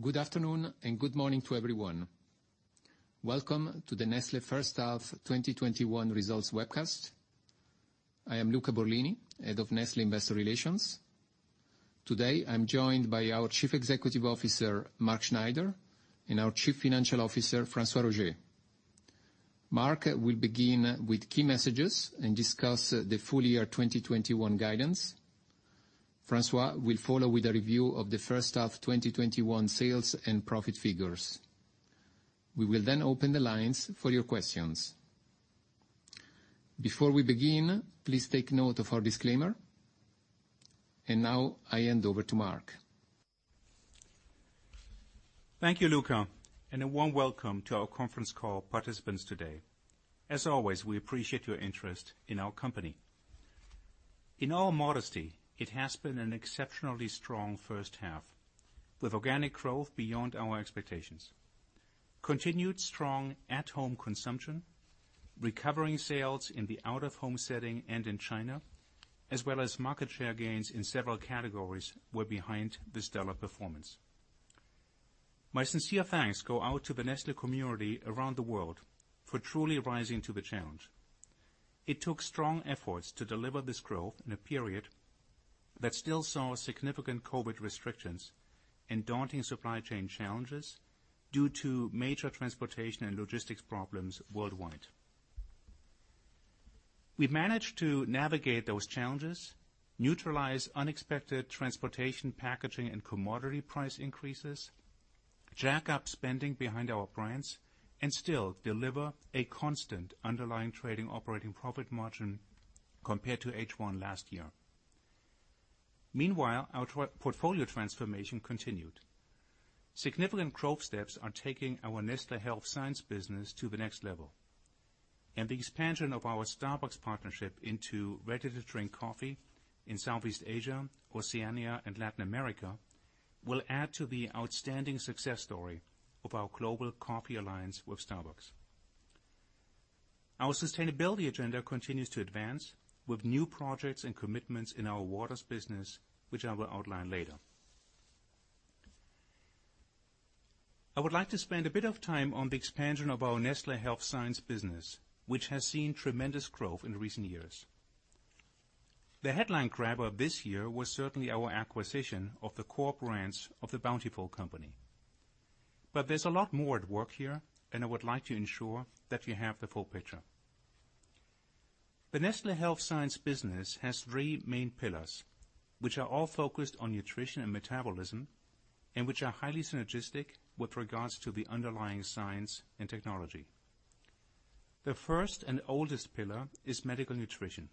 Good afternoon and good morning to everyone. Welcome to the Nestlé First Half 2021 Results webcast. I am Luca Borlini, head of Nestlé Investor Relations. Today, I'm joined by our Chief Executive Officer, Mark Schneider, and our Chief Financial Officer, François-Xavier Roger. Mark will begin with key messages and discuss the full year 2021 guidance. François will follow with a review of the first half 2021 sales and profit figures. We will then open the lines for your questions. Before we begin, please take note of our disclaimer. And now I hand over to Mark. Thank you, Luca, and a warm welcome to our conference call participants today. As always, we appreciate your interest in our company. In all modesty, it has been an exceptionally strong first half, with organic growth beyond our expectations. Continued strong at-home consumption, recovering sales in the out-of-home setting and in China, as well as market share gains in several categories were behind this stellar performance. My sincere thanks go out to the Nestlé community around the world for truly rising to the challenge. It took strong efforts to deliver this growth in a period that still saw significant COVID restrictions and daunting supply chain challenges due to major transportation and logistics problems worldwide. We've managed to navigate those challenges, neutralize unexpected transportation, packaging, and commodity price increases, jack up spending behind our brands, and still deliver a constant underlying trading operating profit margin compared to H1 last year. Meanwhile, our portfolio transformation continued. Significant growth steps are taking our Nestlé Health Science business to the next level, and the expansion of our Starbucks partnership into ready-to-drink coffee in Southeast Asia, Oceania, and Latin America will add to the outstanding success story of our global coffee alliance with Starbucks. Our sustainability agenda continues to advance with new projects and commitments in our waters business, which I will outline later. I would like to spend a bit of time on the expansion of our Nestlé Health Science business, which has seen tremendous growth in recent years. The headline grabber this year was certainly our acquisition of the core brands of The Bountiful Company. There's a lot more at work here, and I would like to ensure that you have the full picture. The Nestlé Health Science business has three main pillars, which are all focused on nutrition and metabolism and which are highly synergistic with regards to the underlying science and technology. The first and oldest pillar is medical nutrition,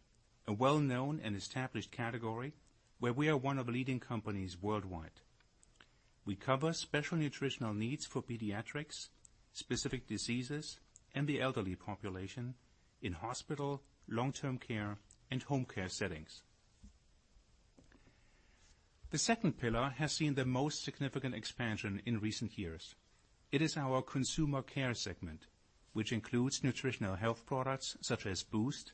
a well-known and established category where we are one of the leading companies worldwide. We cover special nutritional needs for pediatrics, specific diseases, and the elderly population in hospital, long-term care, and home care settings. The second pillar has seen the most significant expansion in recent years. It is our consumer care segment, which includes nutritional health products such as BOOST,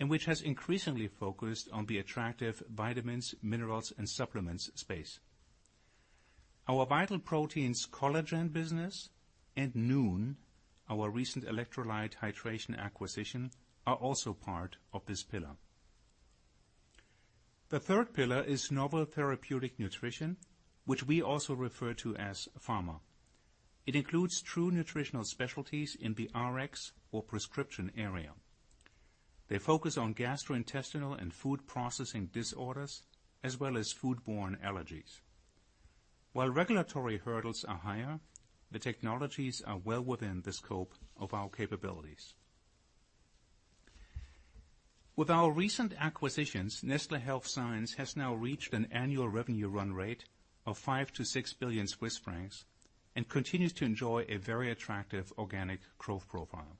and which has increasingly focused on the attractive vitamins, minerals, and supplements space. Our Vital Proteins collagen business and Nuun, our recent electrolyte hydration acquisition, are also part of this pillar. The third pillar is novel therapeutic nutrition, which we also refer to as pharma. It includes true nutritional specialties in the RX or prescription area. They focus on gastrointestinal and food processing disorders, as well as food-borne allergies. While regulatory hurdles are higher, the technologies are well within the scope of our capabilities. With our recent acquisitions, Nestlé Health Science has now reached an annual revenue run rate of 5 billion-6 billion Swiss francs and continues to enjoy a very attractive organic growth profile.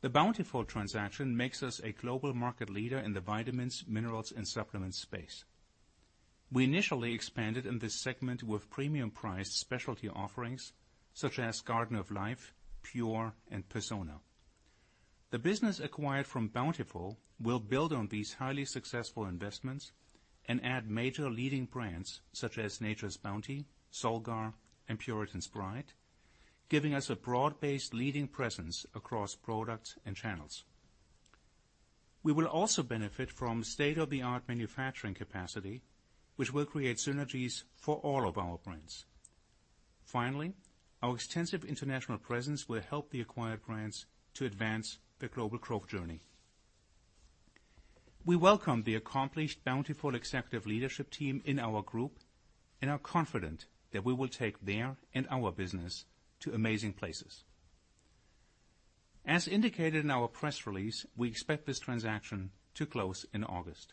The Bountiful transaction makes us a global market leader in the vitamins, minerals, and supplements space. We initially expanded in this segment with premium priced specialty offerings such as Garden of Life, Pure Encapsulations, and Persona. The business acquired from Bountiful will build on these highly successful investments and add major leading brands such as Nature's Bounty, Solgar, and Puritan's Pride, giving us a broad-based leading presence across products and channels. We will also benefit from state-of-the-art manufacturing capacity, which will create synergies for all of our brands. Finally, our extensive international presence will help the acquired brands to advance their global growth journey. We welcome the accomplished Bountiful executive leadership team in our group and are confident that we will take their and our business to amazing places. As indicated in our press release, we expect this transaction to close in August.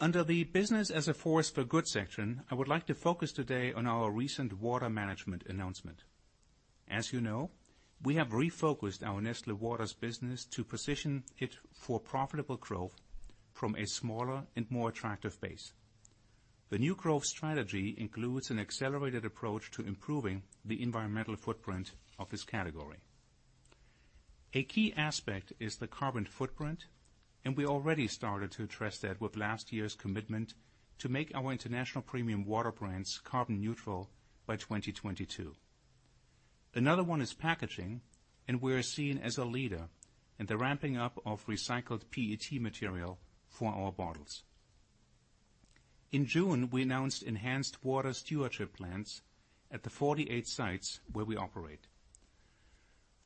Under the business as a force for good section, I would like to focus today on our recent water management announcement. As you know, we have refocused our Nestlé Waters business to position it for profitable growth from a smaller and more attractive base. The new growth strategy includes an accelerated approach to improving the environmental footprint of this category. A key aspect is the carbon footprint, and we already started to address that with last year's commitment to make our international premium water brands carbon neutral by 2022. Another one is packaging, and we're seen as a leader in the ramping up of recycled PET material for our bottles. In June, we announced enhanced water stewardship plans at the 48 sites where we operate.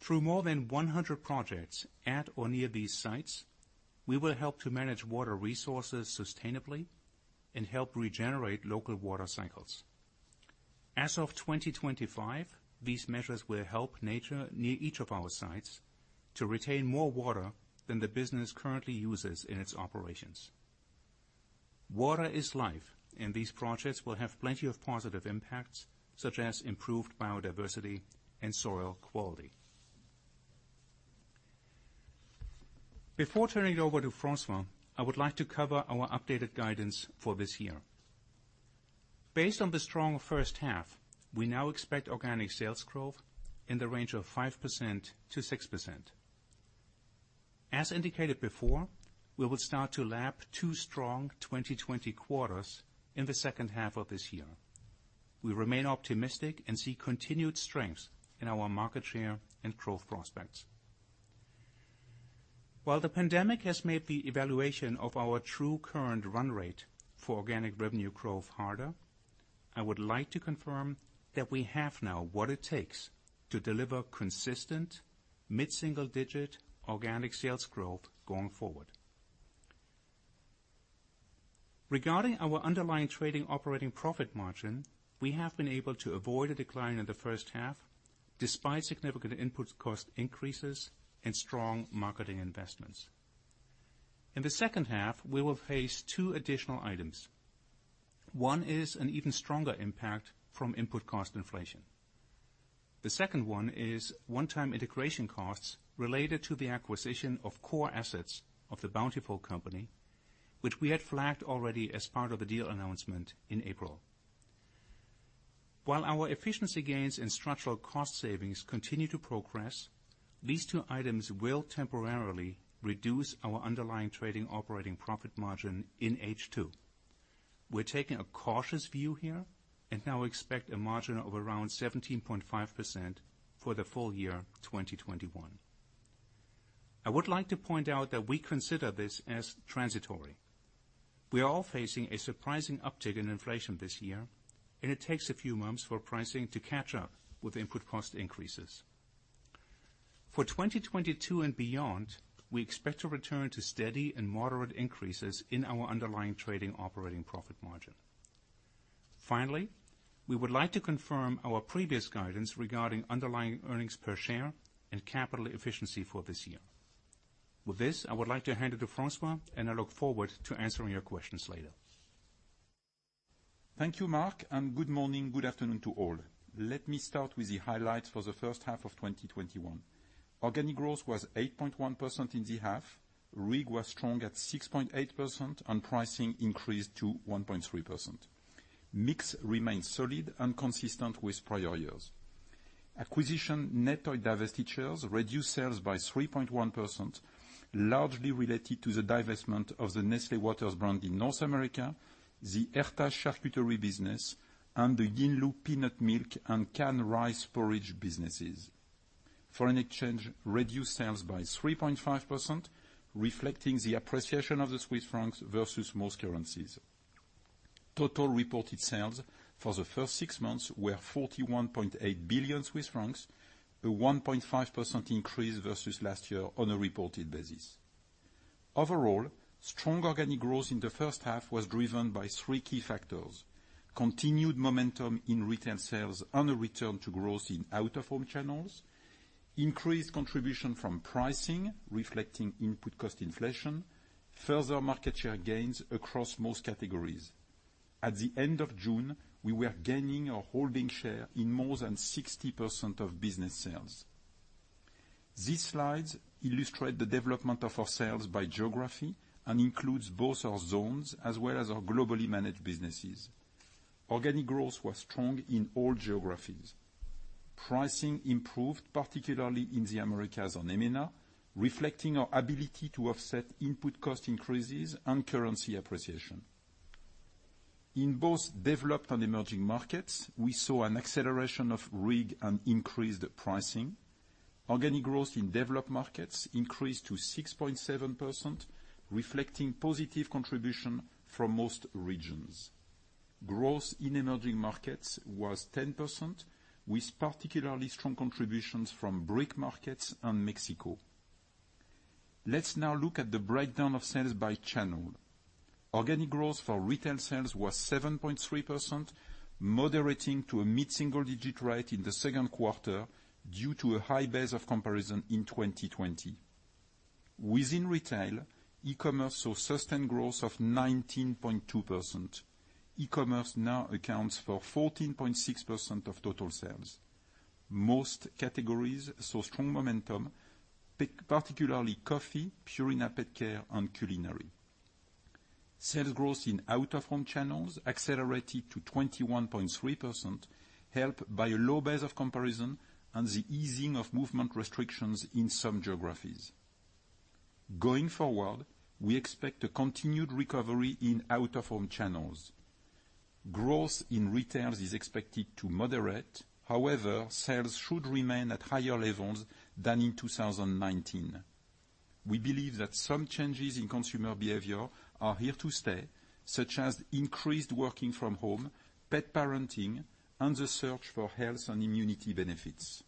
Through more than 100 projects at or near these sites, we will help to manage water resources sustainably and help regenerate local water cycles. As of 2025, these measures will help nature near each of our sites to retain more water than the business currently uses in its operations. Water is life, and these projects will have plenty of positive impacts, such as improved biodiversity and soil quality. Before turning it over to François, I would like to cover our updated guidance for this year. Based on the strong first half, we now expect organic sales growth in the range of 5%-6%. As indicated before, we will start to lap two strong 2020 quarters in the second half of this year. We remain optimistic and see continued strength in our market share and growth prospects. While the pandemic has made the evaluation of our true current run rate for organic revenue growth harder, I would like to confirm that we have now what it takes to deliver consistent mid-single-digit organic sales growth going forward. Regarding our underlying trading operating profit margin, we have been able to avoid a decline in the first half, despite significant input cost increases and strong marketing investments. In the second half, we will face two additional items. One is an even stronger impact from input cost inflation. The second one is one-time integration costs related to the acquisition of core assets of The Bountiful Company, which we had flagged already as part of the deal announcement in April. While our efficiency gains and structural cost savings continue to progress, these two items will temporarily reduce our underlying trading operating profit margin in H2. We're taking a cautious view here and now expect a margin of around 17.5% for the full year 2021. I would like to point out that we consider this as transitory. We are all facing a surprising uptick in inflation this year, and it takes a few months for pricing to catch up with input cost increases. For 2022 and beyond, we expect to return to steady and moderate increases in our underlying trading operating profit margin. Finally, we would like to confirm our previous guidance regarding underlying earnings per share and capital efficiency for this year. With this, I would like to hand it to François, and I look forward to answering your questions later. Thank you, Mark. And good morning, good afternoon to all. Let me start with the highlights for the first half of 2021. Organic growth was 8.1% in the half. RIG was strong at 6.8%, and pricing increased to 1.3%. Mix remained solid and consistent with prior years. Acquisition net of divestitures reduced sales by 3.1%, largely related to the divestment of the Nestlé Waters brand in North America, the Herta charcuterie business, and the Yinlu peanut milk and canned rice porridge businesses. Foreign exchange reduced sales by 3.5%, reflecting the appreciation of the Swiss francs versus most currencies. Total reported sales for the first six months were 41.8 billion Swiss francs, a 1.5% increase versus last year on a reported basis. Overall, strong organic growth in the first half was driven by three key factors: continued momentum in retail sales and a return to growth in out-of-home channels, increased contribution from pricing, reflecting input cost inflation, further market share gains across most categories. At the end of June, we were gaining or holding share in more than 60% of business sales. These slides illustrate the development of our sales by geography and includes both our zones as well as our globally managed businesses. Organic growth was strong in all geographies. Pricing improved, particularly in the Americas and MENA, reflecting our ability to offset input cost increases and currency appreciation. In both developed and emerging markets, we saw an acceleration of RIG and increased pricing. Organic growth in developed markets increased to 6.7%, reflecting positive contribution from most regions. Growth in emerging markets was 10%, with particularly strong contributions from BRIC markets and Mexico. Let's now look at the breakdown of sales by channel. Organic growth for retail sales was 7.3%, moderating to a mid-single-digit rate in the second quarter due to a high base of comparison in 2020. Within retail, e-commerce saw sustained growth of 19.2%. E-commerce now accounts for 14.6% of total sales. Most categories saw strong momentum, particularly coffee, Purina PetCare, and culinary. Sales growth in out-of-home channels accelerated to 21.3%, helped by a low base of comparison and the easing of movement restrictions in some geographies. Going forward, we expect a continued recovery in out-of-home channels. Growth in retails is expected to moderate. However, sales should remain at higher levels than in 2019. We believe that some changes in consumer behavior are here to stay, such as increased working from home, pet parenting, and the search for health and immunity benefits.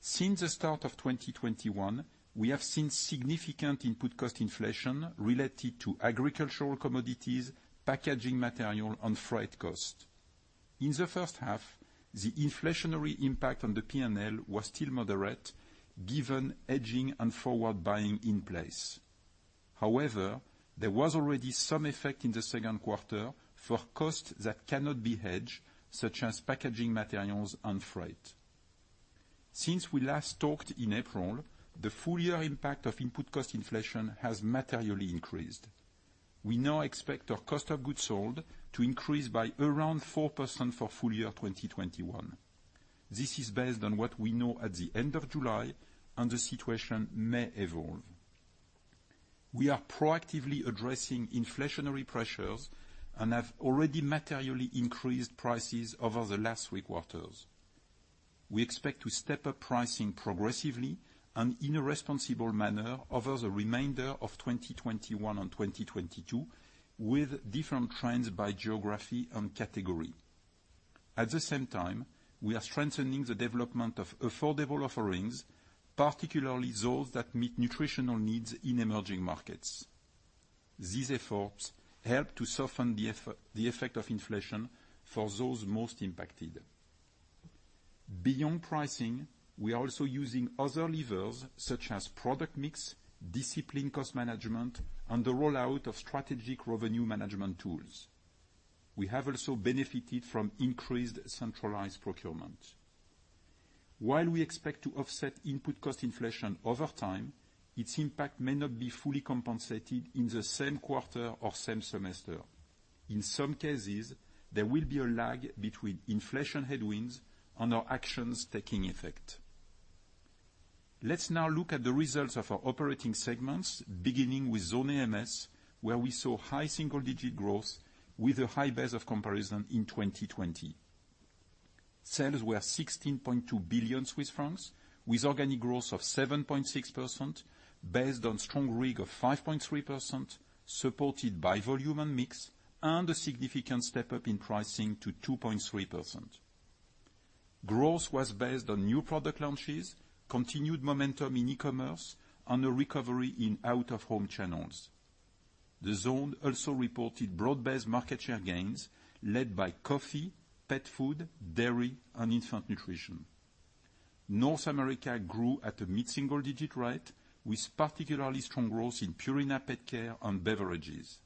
Since the start of 2021, we have seen significant input cost inflation related to agricultural commodities, packaging material, and freight cost. In the first half, the inflationary impact on the P&L was still moderate given hedging and forward buying in place. However, there was already some effect in the second quarter for costs that cannot be hedged, such as packaging materials and freight. Since we last talked in April, the full-year impact of input cost inflation has materially increased. We now expect our cost of goods sold to increase by around 4% for full year 2021. This is based on what we know at the end of July, and the situation may evolve. We are proactively addressing inflationary pressures and have already materially increased prices over the last three quarters. We expect to step up pricing progressively and in a responsible manner over the remainder of 2021 and 2022, with different trends by geography and category. At the same time, we are strengthening the development of affordable offerings, particularly those that meet nutritional needs in emerging markets. These efforts help to soften the effect of inflation for those most impacted. Beyond pricing, we are also using other levers such as product mix, discipline cost management, and the rollout of strategic revenue management tools. We have also benefited from increased centralized procurement. While we expect to offset input cost inflation over time, its impact may not be fully compensated in the same quarter or same semester. In some cases, there will be a lag between inflation headwinds and our actions taking effect. Let's now look at the results of our operating segments, beginning with Zone AMS, where we saw high single-digit growth with a high base of comparison in 2020. Sales were 16.2 billion Swiss francs, with organic growth of 7.6% based on strong RIG of 5.3%, supported by volume and mix, and a significant step-up in pricing to 2.3%. Growth was based on new product launches, continued momentum in e-commerce, and a recovery in out-of-home channels. The zone also reported broad-based market share gains led by coffee, pet food, dairy, and infant nutrition. North America grew at a mid-single digit rate, with particularly strong growth in Purina PetCare and beverages.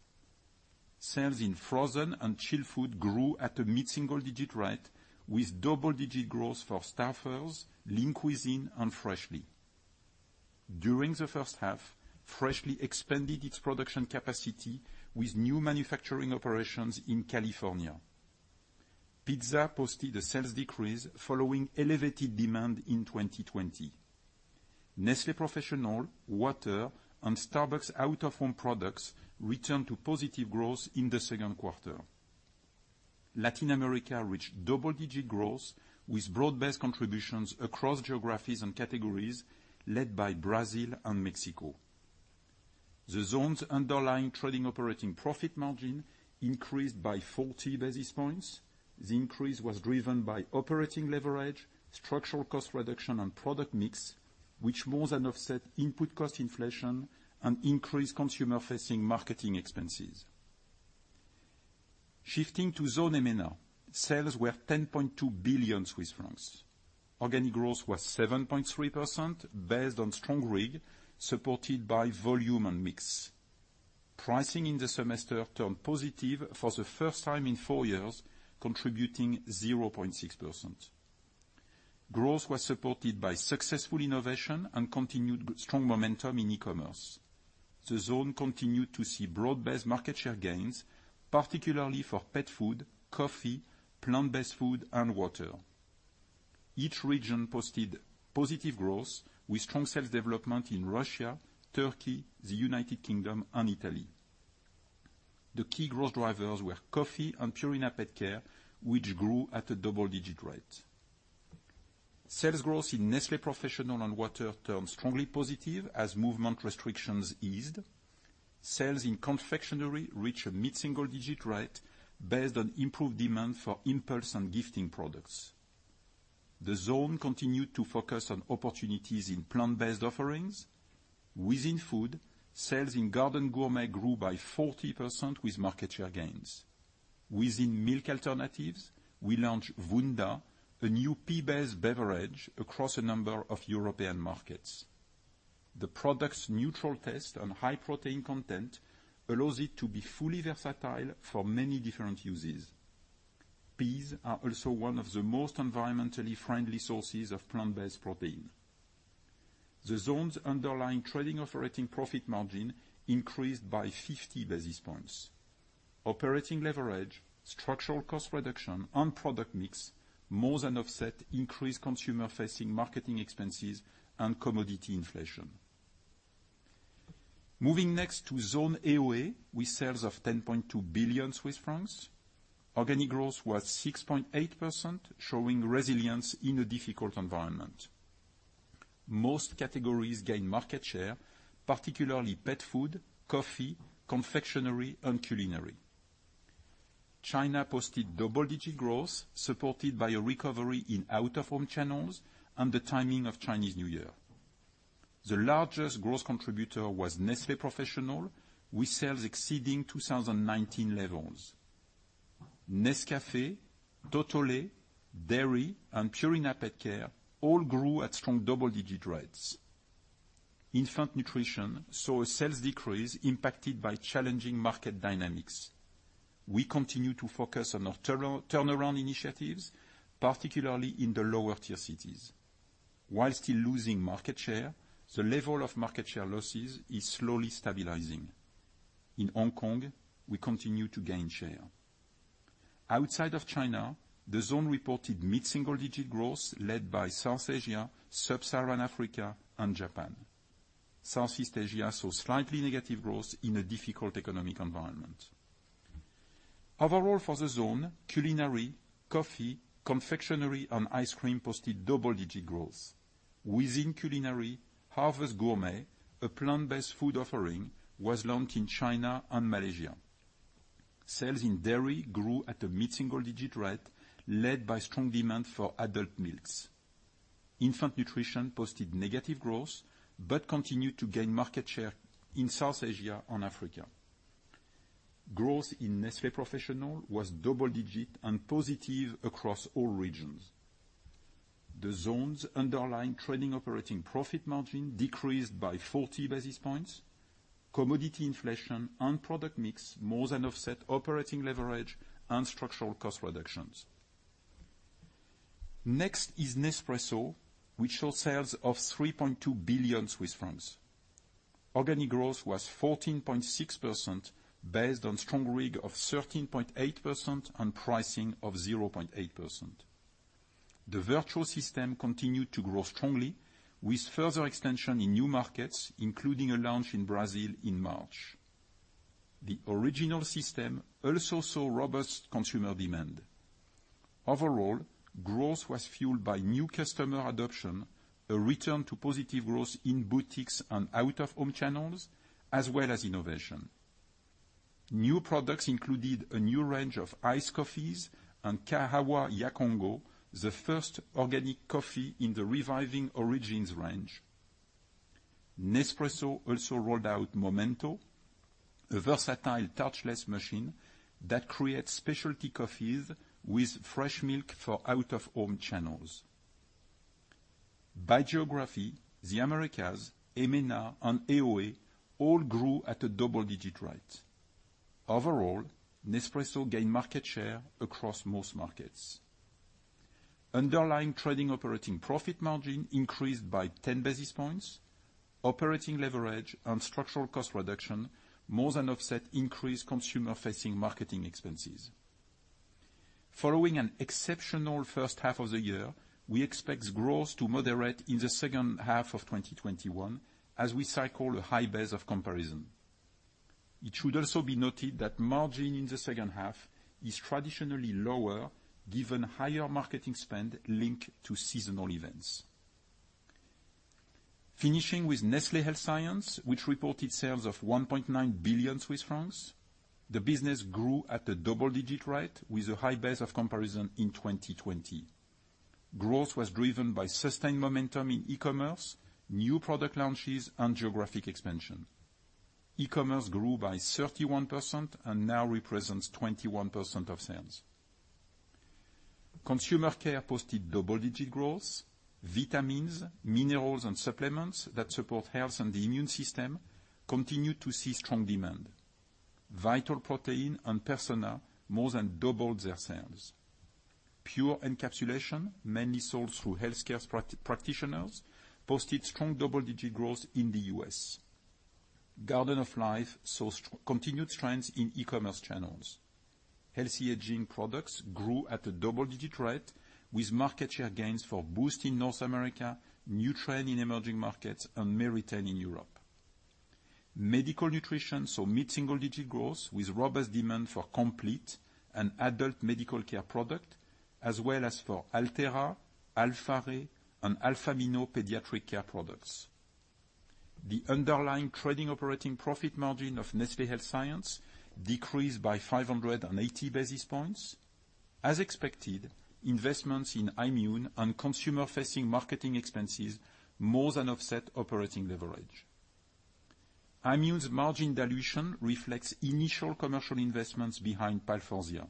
Sales in frozen and chilled food grew at a mid-single digit rate, with double-digit growth for Stouffer's, Lean Cuisine, and Freshly. During the first half, Freshly expanded its production capacity with new manufacturing operations in California. Pizza posted a sales decrease following elevated demand in 2020. Nestlé Professional, water, and Starbucks out-of-home products returned to positive growth in the second quarter. Latin America reached double-digit growth with broad-based contributions across geographies and categories led by Brazil and Mexico. The zone's underlying trading operating profit margin increased by 40 basis points. The increase was driven by operating leverage, structural cost reduction, and product mix, which more than offset input cost inflation and increased consumer-facing marketing expenses. Shifting to Zone EMENA, sales were 10.2 billion Swiss francs. Organic growth was 7.3%, based on strong RIG, supported by volume and mix. Pricing in the semester turned positive for the first time in four years, contributing 0.6%. Growth was supported by successful innovation and continued strong momentum in e-commerce. The zone continued to see broad-based market share gains, particularly for pet food, coffee, plant-based food, and water. Each region posted positive growth, with strong sales development in Russia, Turkey, the United Kingdom, and Italy. The key growth drivers were coffee and Purina PetCare, which grew at a double-digit rate. Sales growth in Nestlé Professional and water turned strongly positive as movement restrictions eased. Sales in confectionery reached a mid-single digit rate based on improved demand for impulse and gifting products. The zone continued to focus on opportunities in plant-based offerings. Within food, sales in Garden Gourmet grew by 40% with market share gains. Within milk alternatives, we launched Wunda, a new pea-based beverage across a number of European markets. The product's neutral taste and high protein content allows it to be fully versatile for many different uses. Peas are also one of the most environmentally friendly sources of plant-based protein. The zone's underlying trading operating profit margin increased by 50 basis points. Operating leverage, structural cost reduction, and product mix more than offset increased consumer-facing marketing expenses and commodity inflation. Moving next to Zone AOA, with sales of 10.2 billion Swiss francs. Organic growth was 6.8%, showing resilience in a difficult environment. Most categories gained market share, particularly pet food, coffee, confectionery, and culinary. China posted double-digit growth, supported by a recovery in out-of-home channels and the timing of Chinese New Year. The largest growth contributor was Nestlé Professional, with sales exceeding 2019 levels. Nescafé, Totole, Dairy, and Purina PetCare all grew at strong double-digit rates. Infant Nutrition saw a sales decrease impacted by challenging market dynamics. We continue to focus on our turnaround initiatives, particularly in the lower tier cities. While still losing market share, the level of market share losses is slowly stabilizing. In Hong Kong, we continue to gain share. Outside of China, the zone reported mid-single-digit growth led by South Asia, sub-Saharan Africa, and Japan. Southeast Asia saw slightly negative growth in a difficult economic environment. Overall for the zone, culinary, coffee, confectionery, and ice cream posted double-digit growth. Within culinary, Harvest Gourmet, a plant-based food offering, was launched in China and Malaysia. Sales in dairy grew at a mid-single-digit rate, led by strong demand for adult milks. Infant Nutrition posted negative growth, but continued to gain market share in South Asia and Africa. Growth in Nestlé Professional was double-digit and positive across all regions. The zone's underlying trading operating profit margin decreased by 40 basis points. Commodity inflation and product mix more than offset operating leverage and structural cost reductions. Next is Nespresso, which saw sales of 3.2 billion Swiss francs. Organic growth was 14.6%, based on strong RIG of 13.8% and pricing of 0.8%. The Vertuo system continued to grow strongly, with further extension in new markets, including a launch in Brazil in March. The original system also saw robust consumer demand. Overall, growth was fueled by new customer adoption, a return to positive growth in boutiques and out-of-home channels, as well as innovation. New products included a new range of iced coffees and Kahawa ya Congo, the first organic coffee in the Reviving Origins range. Nespresso also rolled out Momento, a versatile touchless machine that creates specialty coffees with fresh milk for out-of-home channels. By geography, the Americas, EMENA, and AOA all grew at a double-digit rate. Overall, Nespresso gained market share across most markets. Underlying trading operating profit margin increased by 10 basis points. Operating leverage and structural cost reduction more than offset increased consumer-facing marketing expenses. Following an exceptional first half of the year, we expect growth to moderate in the second half of 2021 as we cycle a high base of comparison. It should also be noted that margin in the second half is traditionally lower, given higher marketing spend linked to seasonal events. Finishing with Nestlé Health Science, which reported sales of 1.9 billion Swiss francs, the business grew at a double-digit rate with a high base of comparison in 2020. Growth was driven by sustained momentum in e-commerce, new product launches, and geographic expansion. E-commerce grew by 31% and now represents 21% of sales. Consumer care posted double-digit growth. Vitamins, minerals, and supplements that support health and the immune system continue to see strong demand. Vital Proteins and Persona more than doubled their sales. Pure Encapsulations, mainly sold through healthcare practitioners, posted strong double-digit growth in the U.S. Garden of Life saw continued trends in e-commerce channels. Healthy aging products grew at a double-digit rate, with market share gains for BOOST in North America, Nutren in emerging markets, and Meritene in Europe. Medical Nutrition saw mid-single-digit growth, with robust demand for complete and adult medical care product, as well as for Althéra, Alfaré, and Alfamino pediatric care products. The underlying trading operating profit margin of Nestlé Health Science decreased by 580 basis points. As expected, investments in Aimmune and consumer-facing marketing expenses more than offset operating leverage. Aimmune's margin dilution reflects initial commercial investments behind Palforzia.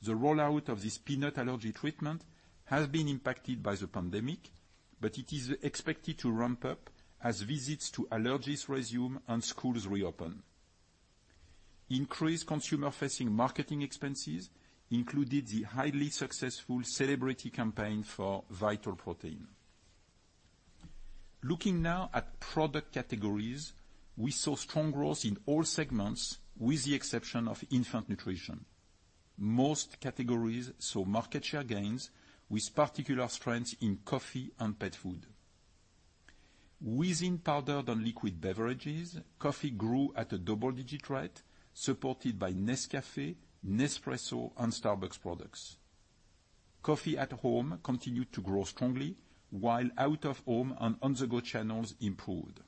The rollout of this peanut allergy treatment has been impacted by the pandemic, but it is expected to ramp up as visits to allergists resume and schools reopen. Increased consumer-facing marketing expenses included the highly successful celebrity campaign for Vital Proteins. Looking now at product categories, we saw strong growth in all segments, with the exception of infant nutrition. Most categories saw market share gains, with particular strength in coffee and pet food. Within powdered and liquid beverages, coffee grew at a double-digit rate, supported by Nescafé, Nespresso, and Starbucks products. Coffee at home continued to grow strongly while out-of-home and on-the-go channels improved.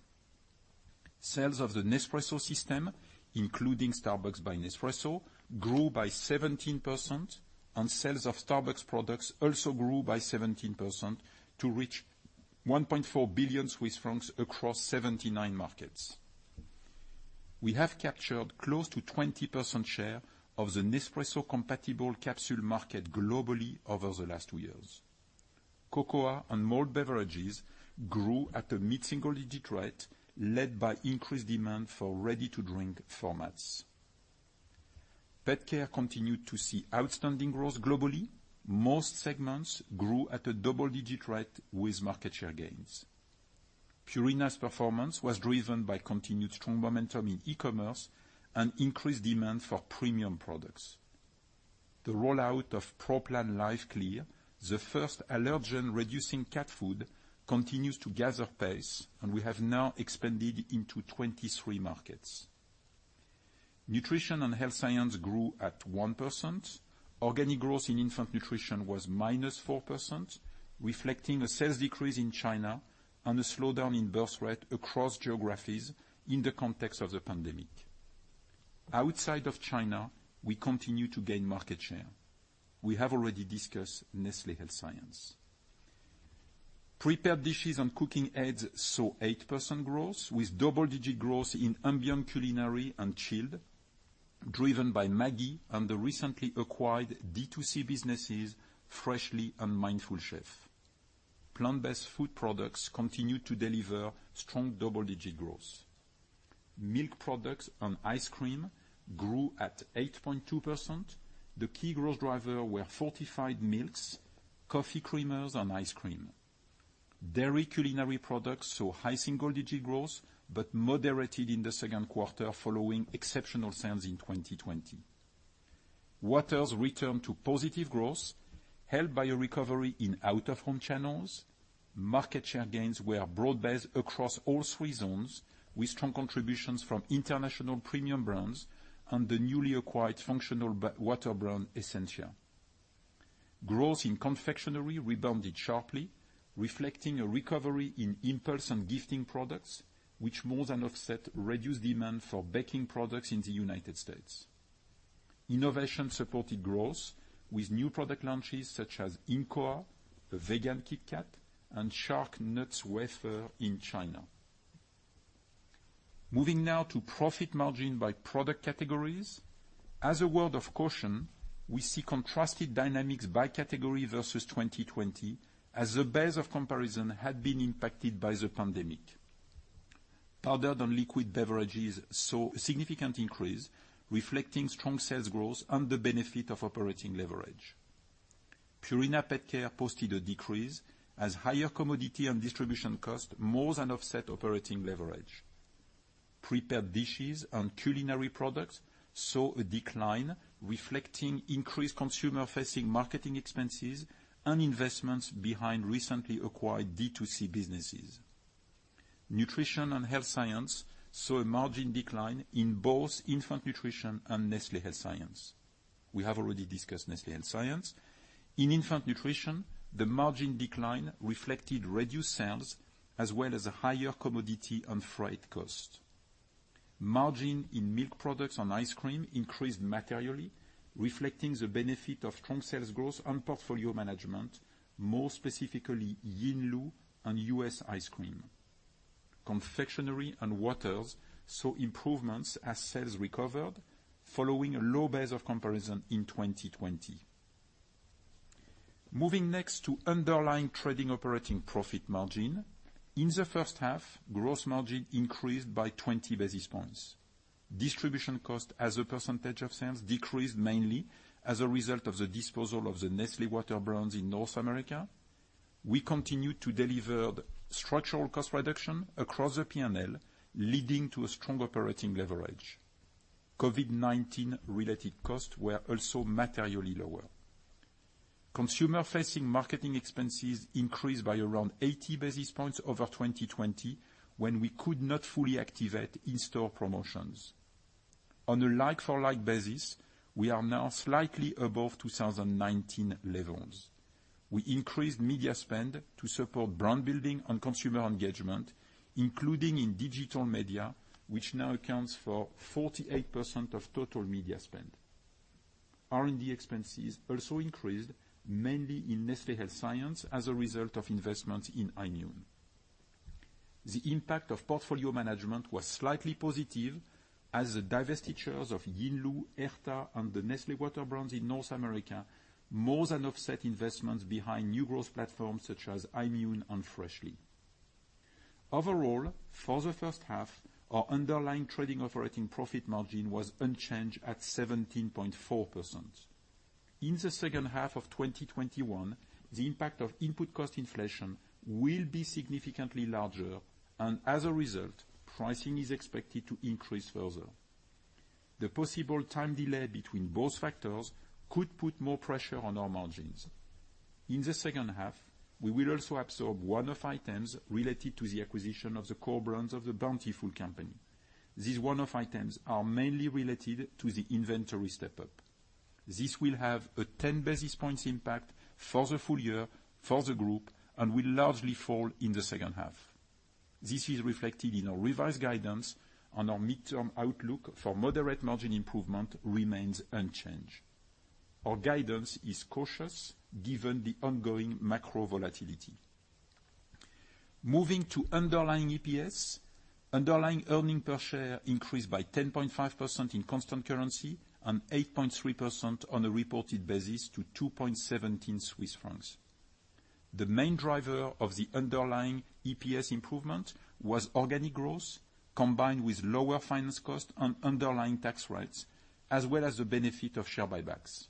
Sales of the Nespresso system, including Starbucks by Nespresso, grew by 17%, and sales of Starbucks products also grew by 17% to reach 1.4 billion Swiss francs across 79 markets. We have captured close to 20% share of the Nespresso-compatible capsule market globally over the last two years. Cocoa and malt beverages grew at a mid-single-digit rate, led by increased demand for ready-to-drink formats. PetCare continued to see outstanding growth globally. Most segments grew at a double-digit rate with market share gains. Purina's performance was driven by continued strong momentum in e-commerce and increased demand for premium products. The rollout of Pro Plan LiveClear, the first allergen-reducing cat food, continues to gather pace, and we have now expanded into 23 markets. Nutrition and Health Science grew at 1%. Organic growth in infant nutrition was -4%, reflecting a sales decrease in China and a slowdown in birth rate across geographies in the context of the pandemic. Outside of China, we continue to gain market share. We have already discussed Nestlé Health Science. Prepared dishes and cooking aids saw 8% growth, with double-digit growth in ambient culinary and chilled, driven by Maggi and the recently acquired D2C businesses Freshly and Mindful Chef. Plant-based food products continued to deliver strong double-digit growth. Milk products and ice cream grew at 8.2%. The key growth driver were fortified milks, coffee creamers, and ice cream. Dairy culinary products saw high single-digit growth. But moderated in the second quarter following exceptional sales in 2020. Waters returned to positive growth, helped by a recovery in out-of-home channels. Market share gains were broad-based across all three zones, with strong contributions from international premium brands and the newly acquired functional water brand Essentia. Growth in confectionery rebounded sharply, reflecting a recovery in impulse and gifting products, which more than offset reduced demand for baking products in the United States. Innovation supported growth with new product launches such as KitKat V, a vegan KitKat, and Shark Wafer in China. Moving now to profit margin by product categories. As a word of caution, we see contrasted dynamics by category versus 2020, as the base of comparison had been impacted by the pandemic. Powdered and liquid beverages saw a significant increase, reflecting strong sales growth and the benefit of operating leverage. Purina PetCare posted a decrease as higher commodity and distribution costs more than offset operating leverage. Prepared dishes and culinary products saw a decline reflecting increased consumer-facing marketing expenses and investments behind recently acquired D2C businesses. Nutrition and Health Science saw a margin decline in both infant nutrition and Nestlé Health Science. We have already discussed Nestlé Health Science. In infant nutrition, the margin decline reflected reduced sales as well as higher commodity and freight costs. Margin in milk products and ice cream increased materially, reflecting the benefit of strong sales growth and portfolio management, more specifically Yinlu and U.S. ice cream. Confectionery and waters saw improvements as sales recovered following a low base of comparison in 2020. Moving next to underlying trading operating profit margin. In the first half, gross margin increased by 20 basis points. Distribution costs as a percentage of sales decreased mainly as a result of the disposal of the Nestlé water brands in North America. We continued to deliver the structural cost reduction across the P&L, leading to a strong operating leverage. COVID-19 related costs were also materially lower. Consumer-facing marketing expenses increased by around 80 basis points over 2020, when we could not fully activate in-store promotions. On a like-for-like basis, we are now slightly above 2019 levels. We increased media spend to support brand building and consumer engagement, including in digital media, which now accounts for 48% of total media spend. R&D expenses also increased, mainly in Nestlé Health Science, as a result of investments in Aimmune. The impact of portfolio management was slightly positive as the divestitures of Yinlu, Herta, and the Nestlé water brands in North America more than offset investments behind new growth platforms such as Aimmune and Freshly. Overall, for the first half, our underlying trading operating profit margin was unchanged at 17.4%. In the second half of 2021, the impact of input cost inflation will be significantly larger, and as a result, pricing is expected to increase further. The possible time delay between both factors could put more pressure on our margins. In the second half, we will also absorb one-off items related to the acquisition of the core brands of The Bountiful Company. These one-off items are mainly related to the inventory step-up. This will have a 10 basis points impact for the full year, for the group, and will largely fall in the second half. This is reflected in our revised guidance and our midterm outlook for moderate margin improvement remains unchanged. Our guidance is cautious given the ongoing macro volatility. Moving to underlying EPS, underlying earnings per share increased by 10.5% in constant currency and 8.3% on a reported basis to 2.17 Swiss francs. The main driver of the underlying EPS improvement was organic growth, combined with lower finance costs and underlying tax rates, as well as the benefit of share buybacks.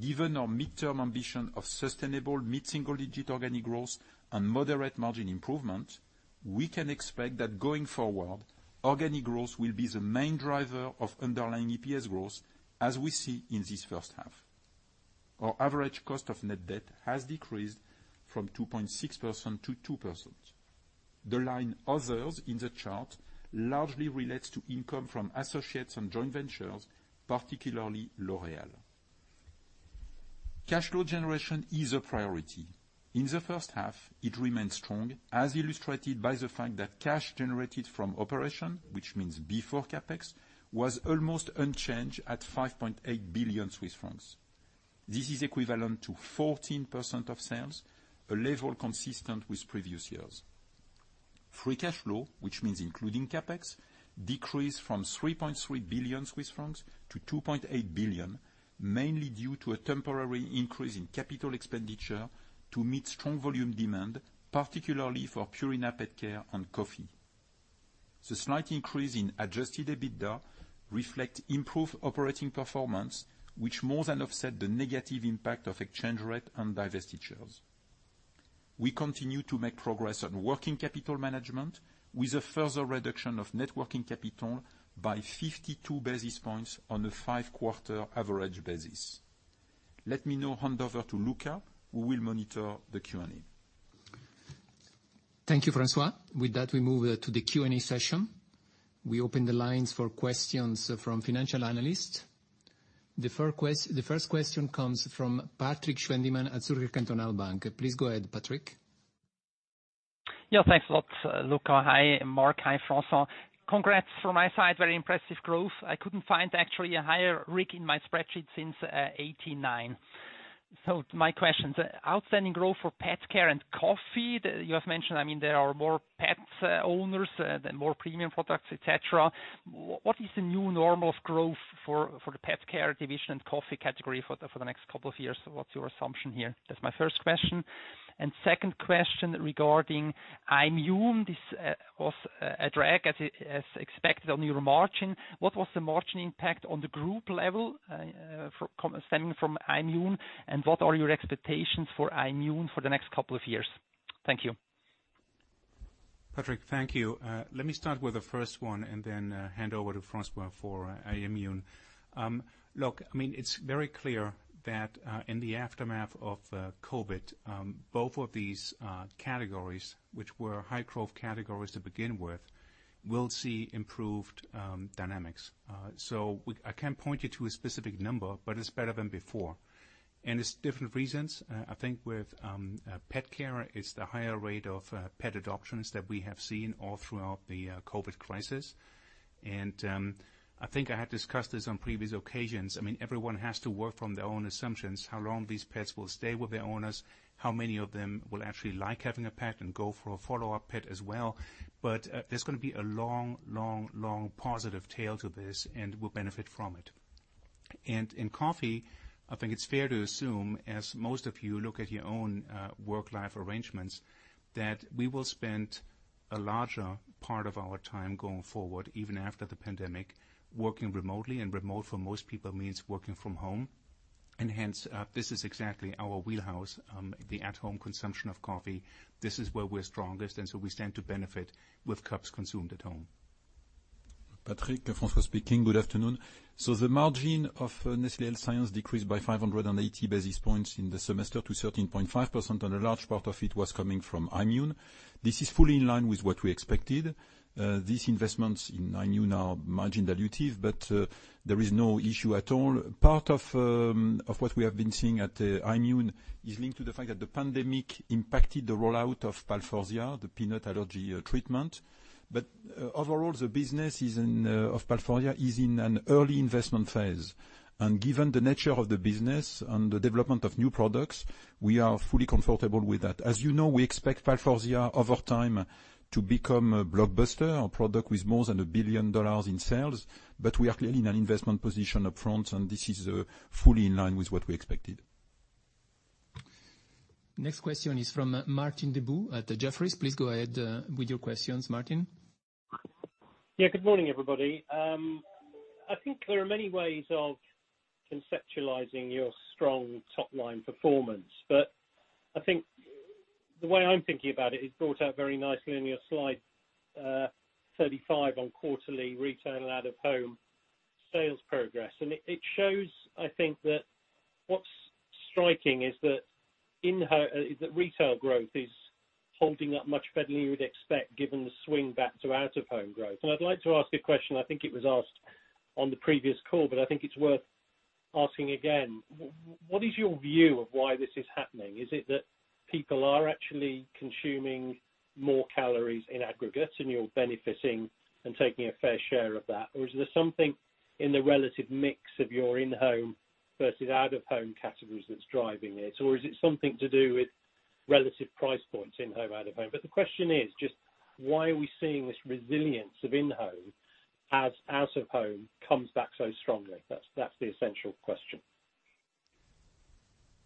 Given our midterm ambition of sustainable mid-single-digit organic growth and moderate margin improvement, we can expect that going forward, organic growth will be the main driver of underlying EPS growth, as we see in this first half. Our average cost of net debt has decreased from 2.6% to 2%. The line others in the chart largely relates to income from associates and joint ventures, particularly L'Oréal. Cash flow generation is a priority. In the first half, it remained strong, as illustrated by the fact that cash generated from operation, which means before CapEx, was almost unchanged at 5.8 billion Swiss francs. This is equivalent to 14% of sales, a level consistent with previous years. Free cash flow, which means including CapEx, decreased from 3.3 billion Swiss francs to 2.8 billion, mainly due to a temporary increase in capital expenditure to meet strong volume demand, particularly for Purina PetCare and coffee. The slight increase in adjusted EBITDA reflect improved operating performance, which more than offset the negative impact of exchange rate and divestitures. We continue to make progress on working capital management with a further reduction of net working capital by 52 basis points on a five-quarter average basis. Let me now hand over to Luca, who will monitor the Q&A. Thank you, François. With that, we move to the Q&A session. We open the lines for questions from financial analysts. The first question comes from Patrik Schwendimann at Zürcher Kantonalbank. Please go ahead, Patrik. Yeah, thanks a lot, Luca. Hi, Mark. Hi, François. Congrats from my side, very impressive growth. I couldn't find actually a higher RIG in my spreadsheet since 89. My question, outstanding growth for PetCare and coffee. You have mentioned, there are more pet owners and more premium products, et cetera. What is the new normal of growth for the Purina PetCare division and coffee category for the next couple of years? What's your assumption here? That's my first question. Second question regarding Aimmune. This was a drag as expected on your margin. What was the margin impact on the group level stemming from Aimmune, and what are your expectations for Aimmune for the next couple of years? Thank you. Patrik, thank you. Let me start with the first one and then hand over to François for Aimmune. Look, I mean, it's very clear that in the aftermath of COVID, both of these categories, which were high growth categories to begin with, will see improved dynamics. So, I can't point you to a specific number, but it's better than before, and it's different reasons. I think with PetCare, it's the higher rate of pet adoptions that we have seen all throughout the COVID crisis. I think I have discussed this on previous occasions. Everyone has to work from their own assumptions, how long these pets will stay with their owners, how many of them will actually like having a pet and go for a follow-up pet as well. But there's going to be a long, long, long positive tail to this and we'll benefit from it. In coffee, I think it's fair to assume, as most of you look at your own work-life arrangements, that we will spend a larger part of our time going forward, even after the pandemic, working remotely. Remote for most people means working from home. And hence, this is exactly our wheelhouse, the at-home consumption of coffee. This is where we're strongest, we stand to benefit with cups consumed at home. Patrik, François speaking. Good afternoon. The margin of Nestlé Health Science decreased by 580 basis points in the semester to 13.5%, and a large part of it was coming from Aimmune. This is fully in line with what we expected. These investments in Aimmune are margin dilutive, but there is no issue at all. Part of what we have been seeing at Aimmune is linked to the fact that the pandemic impacted the rollout of Palforzia, the peanut allergy treatment. Overall, the business of Palforzia is in an early investment phase, and given the nature of the business and the development of new products, we are fully comfortable with that. As you know, we expect Palforzia over time to become a blockbuster, a product with more than $1 billion in sales. We are clearly in an investment position up front. This is fully in line with what we expected. Next question is from Martin Deboo at Jefferies. Please go ahead with your questions, Martin. Yeah. Good morning, everybody. I think there are many ways of conceptualizing your strong top-line performance, but I think the way I'm thinking about it is brought out very nicely on your slide 35 on quarterly retail and out-of-home sales progress. It shows, I think that what's striking is that retail growth is holding up much better than you would expect given the swing back to out-of-home growth. I'd like to ask a question, I think it was asked on the previous call, but I think it's worth asking again. What is your view of why this is happening? Is it that people are actually consuming more calories in aggregate and you're benefiting and taking a fair share of that? Or is there something in the relative mix of your in-home versus out-of-home categories that's driving it? Or is it something to do with relative price points, in-home/out-of-home? But the question is just why are we seeing this resilience of in-home as out-of-home comes back so strongly? That's the essential question.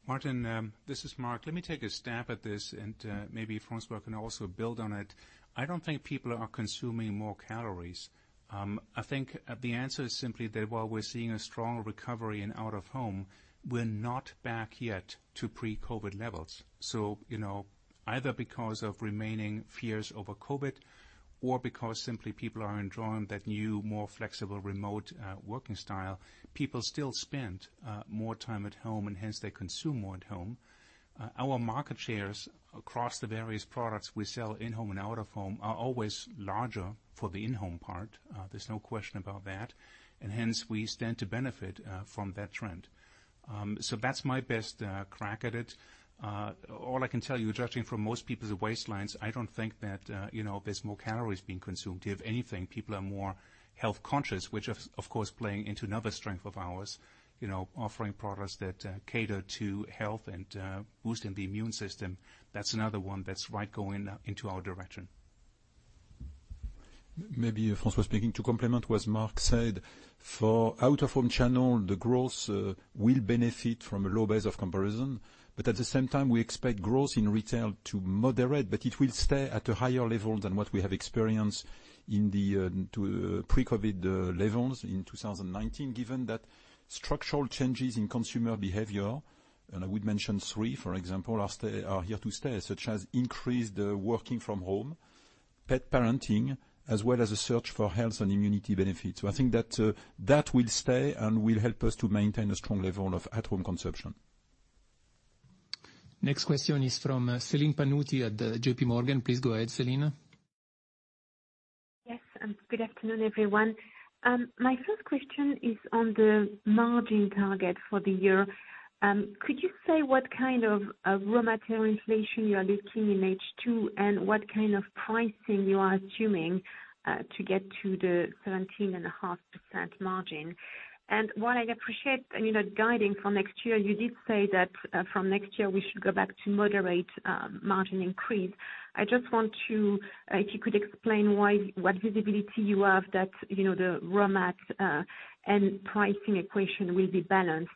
Martin, this is Mark. Let me take a stab at this and maybe François can also build on it. I don't think people are consuming more calories. I think the answer is simply that while we're seeing a strong recovery in out-of-home, we're not back yet to pre-COVID levels. So, you know, either because of remaining fears over COVID or because simply people are enjoying that new, more flexible remote working style, people still spend more time at home and hence they consume more at home. Our market shares across the various products we sell in-home and out-of-home are always larger for the in-home part. There's no question about that, and hence we stand to benefit from that trend. That's my best crack at it. All I can tell you, judging from most people's waistlines, I don't think that there's more calories being consumed. If anything, people are more health conscious, which, of course, playing into another strength of ours, offering products that cater to health and boosting the immune system. That's another one that's right going into our direction. Maybe François speaking to complement what Mark said. For out-of-home channel, the growth will benefit from a low base of comparison, but at the same time, we expect growth in retail to moderate, but it will stay at a higher level than what we have experienced in the pre-COVID levels in 2019, given that structural changes in consumer behavior, and I would mention three, for example, are here to stay, such as increased working from home, pet parenting, as well as a search for health and immunity benefits. I think that will stay and will help us to maintain a strong level of at-home consumption. Next question is from Celine Pannuti at J.P. Morgan. Please go ahead, Celine. Yes. Good afternoon, everyone. My first question is on the margin target for the year. Could you say what kind of raw material inflation you are looking in H2 and what kind of pricing you are assuming to get to the 17.5% margin? While I'd appreciate guiding for next year, you did say that from next year we should go back to moderate margin increase. I just want you, if you could explain what visibility you have that the raw mat and pricing equation will be balanced,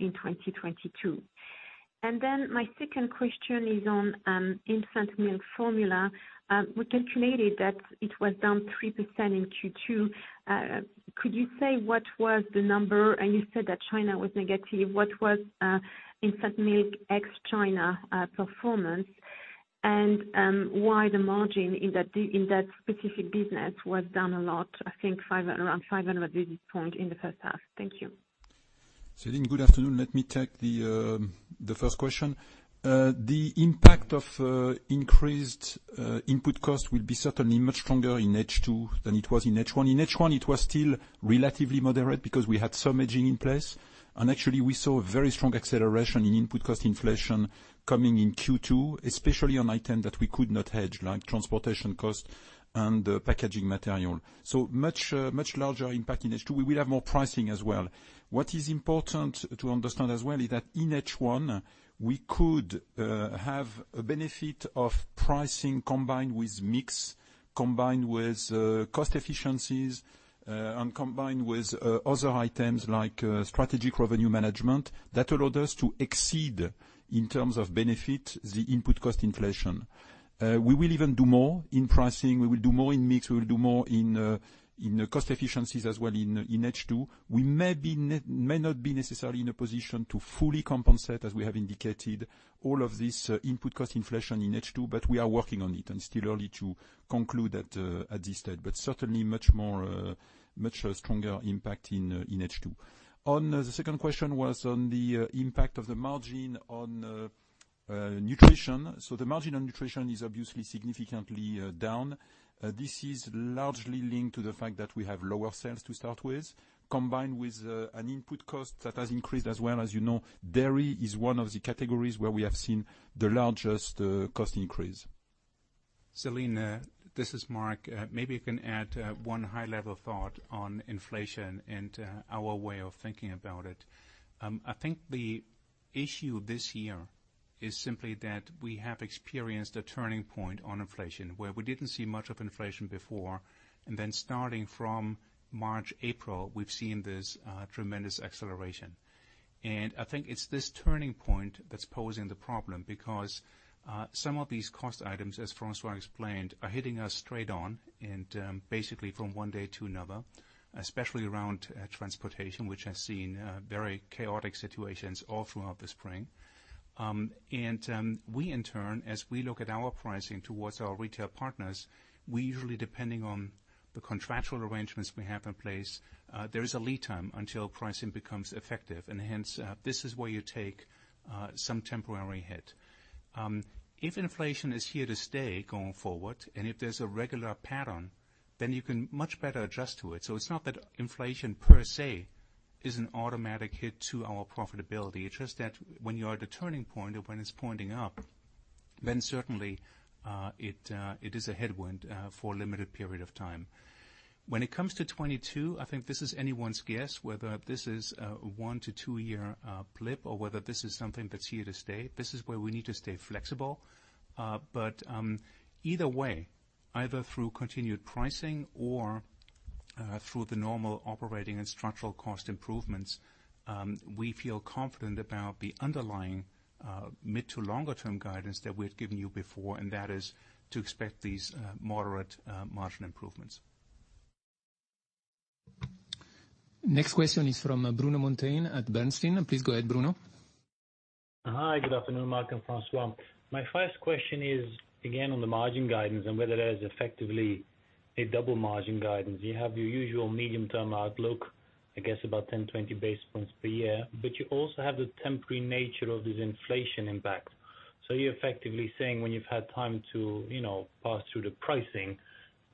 in 2022. And then, my second question is on infant milk formula. We calculated that it was down 3% in Q2. Could you say what was the number? You said that China was negative. What was infant milk ex China performance and why the margin in that specific business was down a lot, I think around 500 basis point in the first half? Thank you. Celine, good afternoon. Let me take the first question. The impact of increased input cost will be certainly much stronger in H2 than it was in H1. In H1, it was still relatively moderate because we had some hedging in place, actually we saw a very strong acceleration in input cost inflation coming in Q2, especially on items that we could not hedge, like transportation cost and packaging material. Much larger impact in H2. We will have more pricing as well. What is important to understand as well is that in H1, we could have a benefit of pricing combined with mix, combined with cost efficiencies, combined with other items like strategic revenue management that allowed us to exceed, in terms of benefit, the input cost inflation. We will even do more in pricing. We will do more in mix. We will do more in cost efficiencies as well in H2. We may not be necessarily in a position to fully compensate, as we have indicated all of this input cost inflation in H2, but we are working on it and still early to conclude at this stage, but certainly much stronger impact in H2. On the second question was on the impact of the margin on nutrition. The margin on nutrition is obviously significantly down. This is largely linked to the fact that we have lower sales to start with, combined with an input cost that has increased as well. As you know, dairy is one of the categories where we have seen the largest cost increase. Celine, this is Mark. Maybe I can add one high-level thought on inflation and our way of thinking about it. I think the issue this year is simply that we have experienced a turning point on inflation where we didn't see much of inflation before, and then starting from March, April, we've seen this tremendous acceleration. I think it's this turning point that's posing the problem because some of these cost items, as François explained, are hitting us straight on, and basically from one day to another, especially around transportation, which has seen very chaotic situations all throughout the spring. And we in turn, as we look at our pricing towards our retail partners, we usually, depending on the contractual arrangements we have in place, there is a lead time until pricing becomes effective. Hence, this is where you take some temporary hit. Even if inflation is here to stay going forward, if there's a regular pattern, you can much better adjust to it. It's not that inflation per se is an automatic hit to our profitability. It's just that when you are at a turning point or when it's pointing up, certainly, it is a headwind for a limited period of time. When it comes to 2022, I think this is anyone's guess whether this is a one year to two year blip or whether this is something that's here to stay. This is where we need to stay flexible. But either way, either through continued pricing or through the normal operating and structural cost improvements, we feel confident about the underlying mid- to longer-term guidance that we had given you before, that is to expect these moderate margin improvements. Next question is from Bruno Monteyne at Bernstein. Please go ahead, Bruno. Hi. Good afternoon, Mark and François. My first question is again on the margin guidance and whether that is effectively a double margin guidance. You have your usual medium-term outlook, I guess about 10 basis points to 20 basis points per year, but you also have the temporary nature of this inflation impact. You're effectively saying when you've had time to pass through the pricing,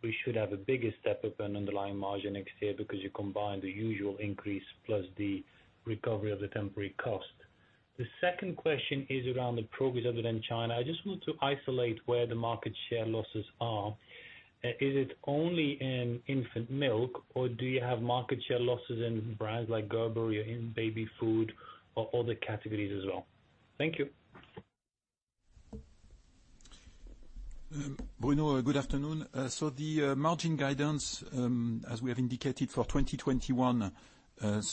we should have a bigger step up in underlying margin next year because you combine the usual increase plus the recovery of the temporary cost. The second question is around the progress other than China. I just want to isolate where the market share losses are. Is it only in infant milk, or do you have market share losses in brands like Gerber or in baby food or other categories as well? Thank you. Bruno, good afternoon. So, the margin guidance, as we have indicated for 2021,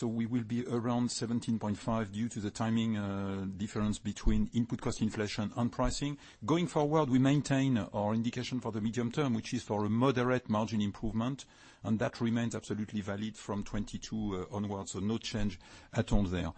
we will be around 17.5% due to the timing difference between input cost inflation and pricing. Going forward, we maintain our indication for the medium term, which is for a moderate margin improvement, and that remains absolutely valid from 2022 onwards. No change at all there.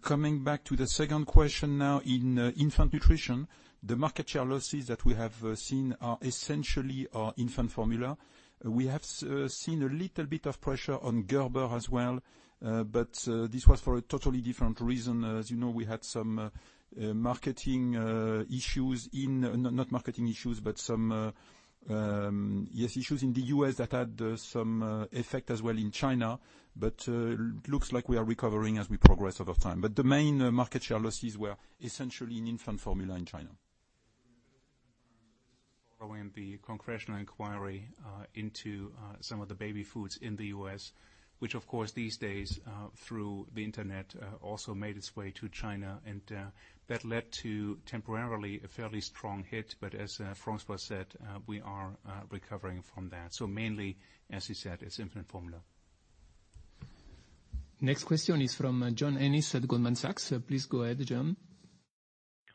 Coming back to the second question now in infant nutrition, the market share losses that we have seen are essentially our infant formula. We have seen a little bit of pressure on Gerber as well, but this was for a totally different reason. As you know, we had some marketing issues, not marketing issues, but some issues in the U.S. that had some effect as well in China. Looks like we are recovering as we progress over time. The main market share losses were essentially in infant formula in China. Following the congressional inquiry into some of the baby foods in the U.S., which of course these days, through the internet, also made its way to China. That led to temporarily a fairly strong hit. As François said, we are recovering from that. Mainly, as he said, it's infant formula. Next question is from John Ennis at Goldman Sachs. Please go ahead, John.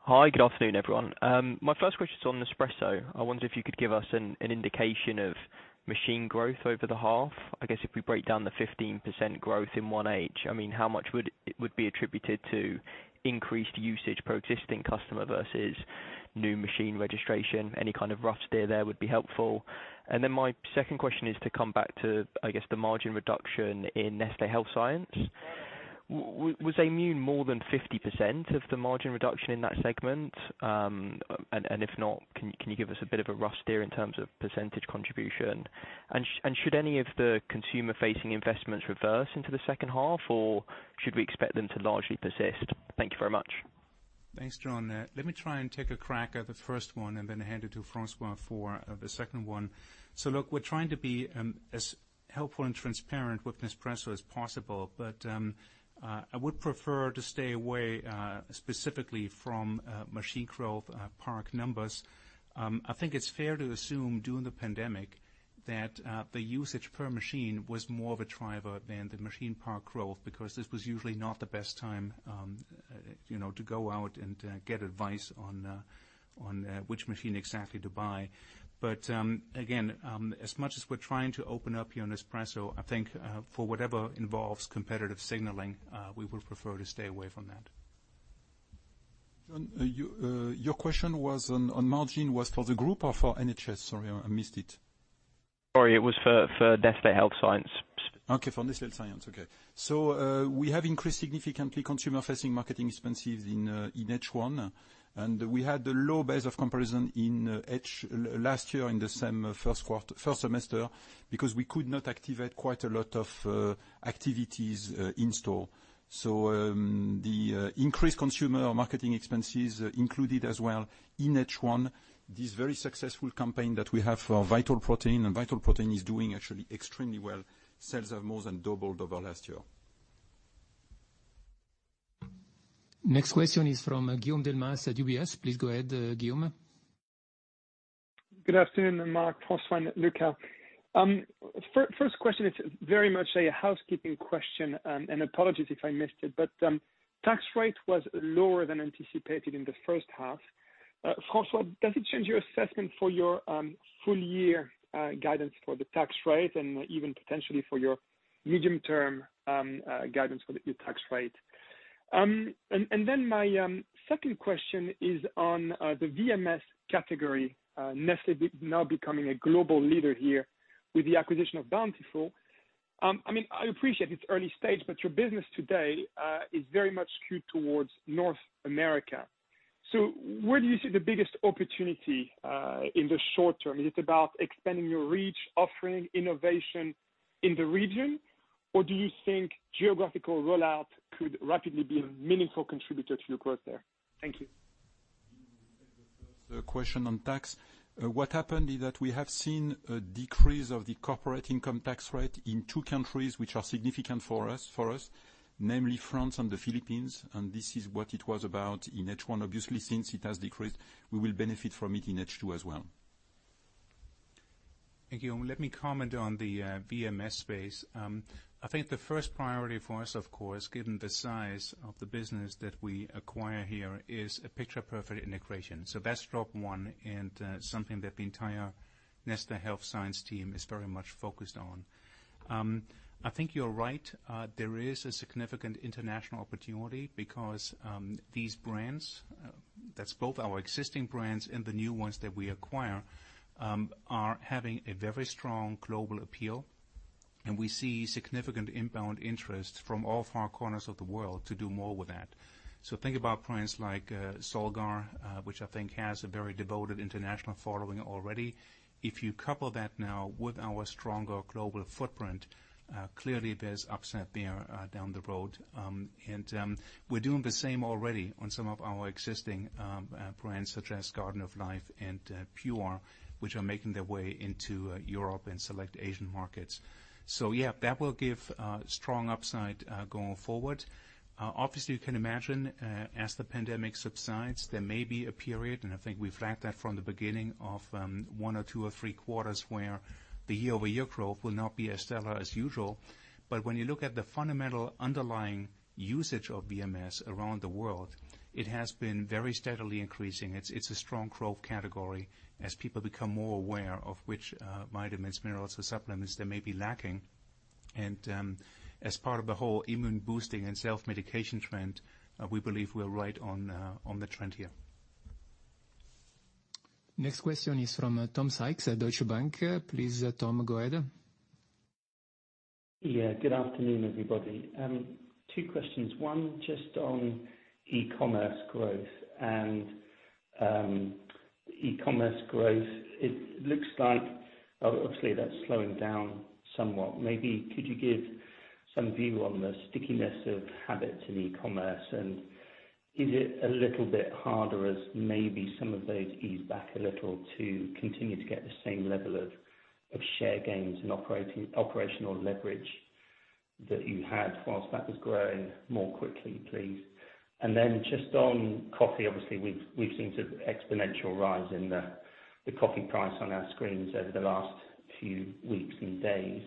Hi. Good afternoon, everyone. My first question is on Nespresso. I wonder if you could give us an indication of machine growth over the half. I guess if we break down the 15% growth in H1, how much would be attributed to increased usage per existing customer versus new machine registration? Any kind of rough steer there would be helpful. My second question is to come back to, I guess, the margin reduction in Nestlé Health Science. Was Aimmune more than 50% of the margin reduction in that segment? If not, can you give us a bit of a rough steer in terms of percentage contribution? And should any of the consumer-facing investments reverse into the second half, or should we expect them to largely persist? Thank you very much. Thanks, John. Let me try and take a crack at the first one and then hand it to François for the second one. Look, we're trying to be as helpful and transparent with Nespresso as possible, but I would prefer to stay away specifically from machine growth park numbers. I think it's fair to assume during the pandemic that the usage per machine was more of a driver than the machine park growth, because this was usually not the best time to go out and get advice on which machine exactly to buy. Again, as much as we're trying to open up here on Nespresso, I think for whatever involves competitive signaling, we would prefer to stay away from that. John, your question was on margin was for the group or for NHS? Sorry, I missed it. Sorry, it was for Nestlé Health Science. Okay. For Nestlé Health Science. Okay. We have increased significantly consumer-facing marketing expenses in H1, and we had a low base of comparison last year in the same first semester because we could not activate quite a lot of activities in store. So, the increased consumer marketing expenses included as well in H1, this very successful campaign that we have for Vital Proteins, and Vital Proteins is doing actually extremely well. Sales have more than doubled over last year. Next question is from Guillaume Delmas at UBS. Please go ahead, Guillaume. Good afternoon, Mark, François, and Luca. First question is very much a housekeeping question. Apologies if I missed it, but tax rate was lower than anticipated in the first half. François, does it change your assessment for your full year guidance for the tax rate and even potentially for your medium-term guidance for the tax rate? And then, my second question is on the VMS category. Nestlé is now becoming a global leader here with the acquisition of Bountiful. I appreciate it's early stage, but your business today is very much skewed towards North America. So, where do you see the biggest opportunity in the short term? Is it about expanding your reach, offering innovation in the region, or do you think geographical rollout could rapidly be a meaningful contributor to your growth there? Thank you. The question on tax. What happened is that we have seen a decrease of the corporate income tax rate in two countries which are significant for us, namely France and the Philippines. This is what it was about in H1. Obviously, since it has decreased, we will benefit from it in H2 as well. Thank you. Let me comment on the VMS space. I think the first priority for us, of course, given the size of the business that we acquire here, is a picture-perfect integration. That's step one and something that the entire Nestlé Health Science team is very much focused on. I think you're right. There is a significant international opportunity because these brands, that's both our existing brands and the new ones that we acquire, are having a very strong global appeal, and we see significant inbound interest from all four corners of the world to do more with that. Think about brands like Solgar, which I think has a very devoted international following already. If you couple that now with our stronger global footprint, clearly there's upside there down the road. And we're doing the same already on some of our existing brands, such as Garden of Life and Pure, which are making their way into Europe and select Asian markets. So yeah, that will give strong upside going forward. Obviously, you can imagine, as the pandemic subsides, there may be a period, and I think we flagged that from the beginning, of one or two quarters or three quarters where the year-over-year growth will not be as stellar as usual. When you look at the fundamental underlying usage of VMS around the world, it has been very steadily increasing. It's a strong growth category as people become more aware of which vitamins, minerals, or supplements they may be lacking. As part of the whole immune-boosting and self-medication trend, we believe we're right on the trend here. Next question is from Tom Sykes at Deutsche Bank. Please, Tom, go ahead. Yeah. Good afternoon, everybody. Two questions. One, just on e-commerce growth. E-commerce growth, it looks like, obviously, that's slowing down somewhat. Maybe could you give some view on the stickiness of habits in e-commerce? Is it a little bit harder as maybe some of those ease back a little to continue to get the same level of share gains and operational leverage that you had while that was growing more quickly, please? Then just on coffee, obviously, we've seen sort of exponential rise in the coffee price on our screens over the last few weeks and days.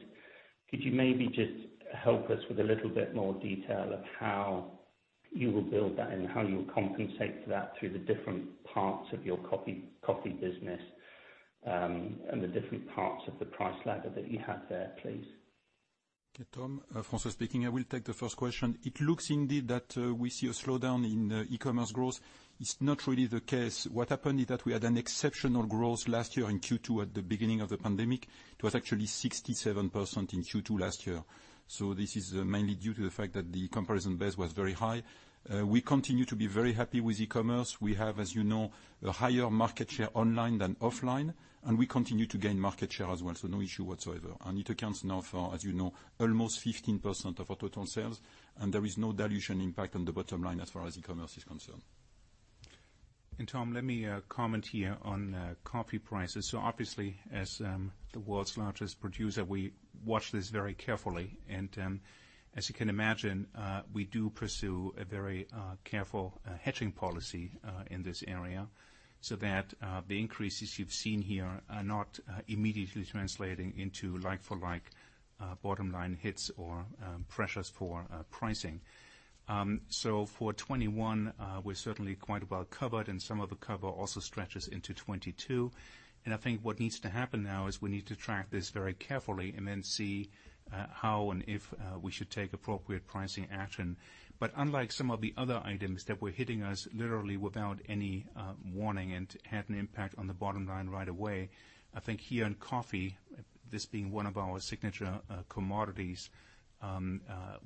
Could you maybe just help us with a little bit more detail of how you will build that and how you will compensate for that through the different parts of your coffee business, and the different parts of the price ladder that you have there, please? Okay, Tom. François-Xavier Roger speaking. I will take the first question. It looks, indeed, that we see a slowdown in e-commerce growth. It's not really the case. What happened is that we had an exceptional growth last year in Q2 at the beginning of the pandemic. It was actually 67% in Q2 last year. So, this is mainly due to the fact that the comparison base was very high. We continue to be very happy with e-commerce. We have, as you know, a higher market share online than offline, and we continue to gain market share as well. No issue whatsoever. It accounts now for, as you know, almost 15% of our total sales, and there is no dilution impact on the bottom line as far as e-commerce is concerned. Tom, let me comment here on coffee prices. Obviously, as the world's largest producer, we watch this very carefully. And as you can imagine, we do pursue a very careful hedging policy in this area so that the increases you've seen here are not immediately translating into like-for-like bottom line hits or pressures for pricing. For 2021, we're certainly quite well covered, and some of the cover also stretches into 2022. I think what needs to happen now is we need to track this very carefully and then see how and if we should take appropriate pricing action. Unlike some of the other items that were hitting us literally without any warning and had an impact on the bottom line right away, I think here in coffee, this being one of our signature commodities,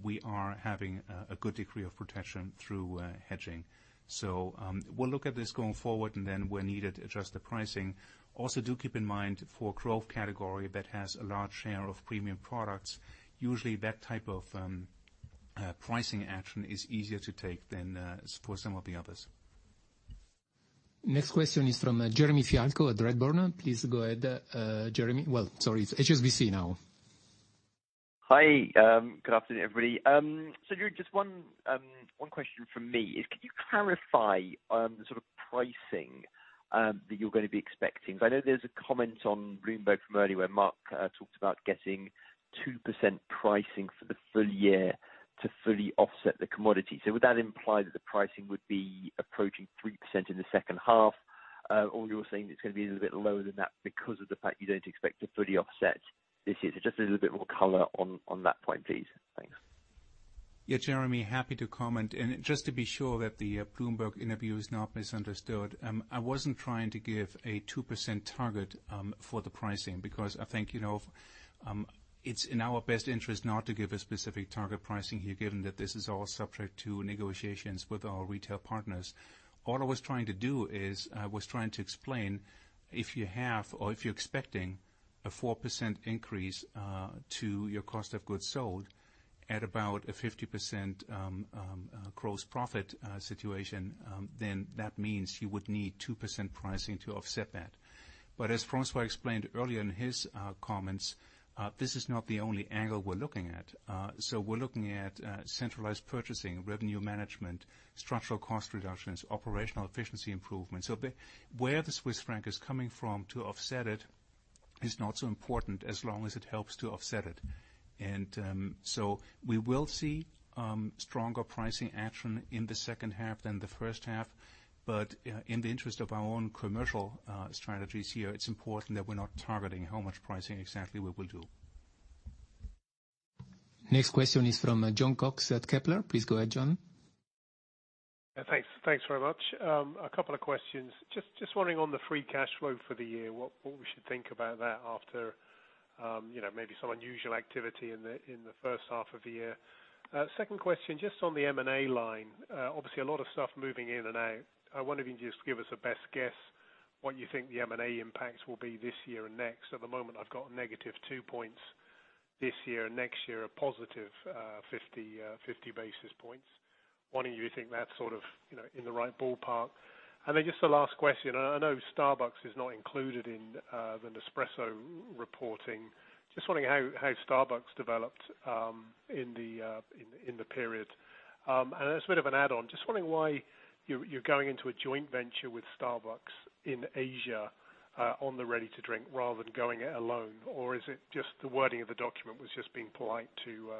we are having a good degree of protection through hedging. So we'll look at this going forward and then where needed, adjust the pricing. Do keep in mind for growth category that has a large share of premium products, usually that type of pricing action is easier to take than for some of the others. Next question is from Jeremy Fialko at Redburn. Please go ahead, Jeremy. Well, sorry, it's HSBC now. Hi, good afternoon, everybody. Just one question from me is, can you clarify the sort of pricing that you're going to be expecting? Because I know there's a comment on Bloomberg from earlier where Mark talked about getting 2% pricing for the full year to fully offset the commodity. Would that imply that the pricing would be approaching 3% in the second half? Or you're saying it's going to be a little bit lower than that because of the fact you don't expect to fully offset this year? Just a little bit more color on that point, please. Thanks. Yeah, Jeremy, happy to comment. Just to be sure that the Bloomberg interview is not misunderstood, I wasn't trying to give a 2% target for the pricing because I think you know, it's in our best interest not to give a specific target pricing here, given that this is all subject to negotiations with our retail partners. All I was trying to do is I was trying to explain if you have or if you're expecting a 4% increase to your cost of goods sold at about a 50% gross profit situation, then that means you would need 2% pricing to offset that. As François explained earlier in his comments, this is not the only angle we're looking at. We're looking at centralized purchasing, revenue management, structural cost reductions, operational efficiency improvements. Where the Swiss franc is coming from to offset it is not so important as long as it helps to offset it. So, we will see stronger pricing action in the second half than the first half. In the interest of our own commercial strategies here, it's important that we're not targeting how much pricing exactly we will do. Next question is from Jon Cox at Kepler. Please go ahead, Jon. Thanks very much. A couple of questions. Just wondering on the free cash flow for the year, what we should think about that after maybe some unusual activity in the first half of the year. Second question, just on the M&A line. A lot of stuff moving in and out. I wonder if you can just give us a best guess what you think the M&A impacts will be this year and next. At the moment, I've got negative two points this year and next year a positive 50 basis points. Do you think that's sort of in the right ballpark? Just the last question. I know Starbucks is not included in the Nespresso reporting. Just wondering how Starbucks developed in the period. As a bit of an add-on, just wondering why you're going into a joint venture with Starbucks in Asia on the ready-to-drink rather than going it alone, or is it just the wording of the document was just being polite to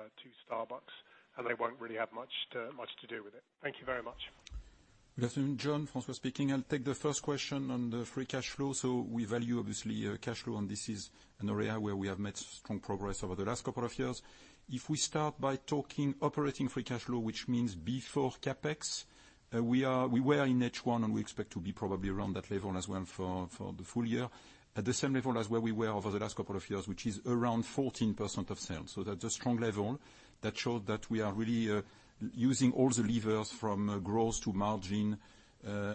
Starbucks and they won't really have much to do with it? Thank you very much. Good afternoon, Jon. François speaking. I'll take the first question on the free cash flow. We value obviously cash flow, and this is an area where we have made strong progress over the last two years. If we start by talking operating free cash flow, which means before CapEx, we were in H1, and we expect to be probably around that level as well for the full year. At the same level as where we were over the last two years, which is around 14% of sales. That's a strong level that showed that we are really using all the levers from growth to margin,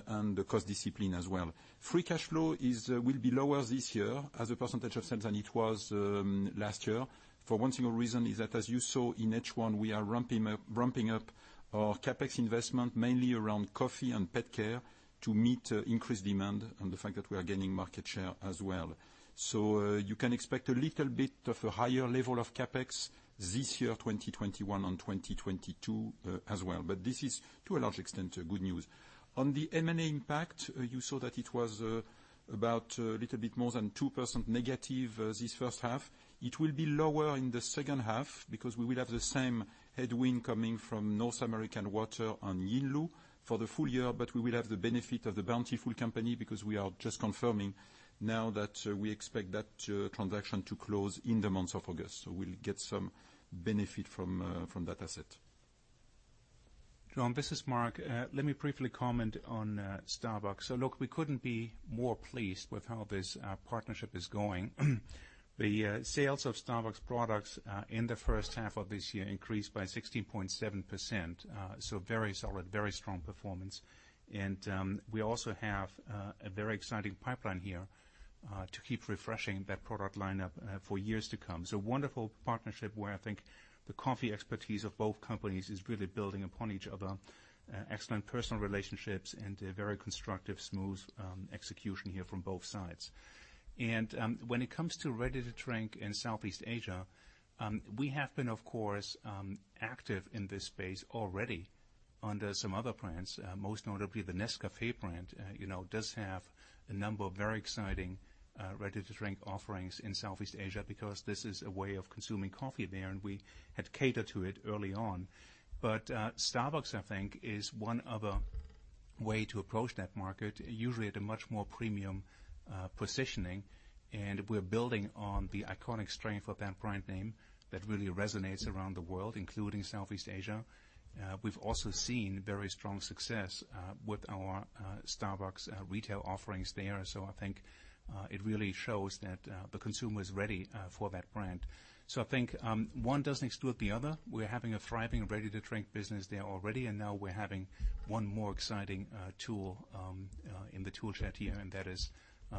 and the cost discipline as well. Free cash flow will be lower this year as a percentage of sales than it was last year. For one single reason is that as you saw in H1, we are ramping up our CapEx investment mainly around coffee and pet care to meet increased demand and the fact that we are gaining market share as well. So, you can expect a little bit of a higher level of CapEx this year, 2021, on 2022 as well. This is to a large extent, good news. On the M&A impact, you saw that it was about a little bit more than 2% negative this first half. It will be lower in the second half because we will have the same headwind coming from North American Water and Yinlu for the full year, we will have the benefit of The Bountiful Company because we are just confirming now that we expect that transaction to close in the month of August. We'll get some benefit from that asset. Jon, this is Mark. Let me briefly comment on Starbucks. Look, we couldn't be more pleased with how this partnership is going. The sales of Starbucks products in the first half of this year increased by 16.7%, very solid, very strong performance. We also have a very exciting pipeline here to keep refreshing that product line-up for years to come. It's a wonderful partnership where I think the coffee expertise of both companies is really building upon each other, excellent personal relationships and a very constructive, smooth execution here from both sides. And hen it comes to ready-to-drink in Southeast Asia, we have been, of course, active in this space already under some other brands, most notably the Nescafé brand, does have a number of very exciting ready-to-drink offerings in Southeast Asia because this is a way of consuming coffee there, and we had catered to it early on. Starbucks, I think, is one other way to approach that market, usually at a much more premium positioning. We're building on the iconic strength of that brand name that really resonates around the world, including Southeast Asia. We've also seen very strong success with our Starbucks retail offerings there. I think it really shows that the consumer is ready for that brand. I think one doesn't exclude the other. We're having a thriving ready-to-drink business there already, and now we're having one more exciting tool in the tool shed here, and that is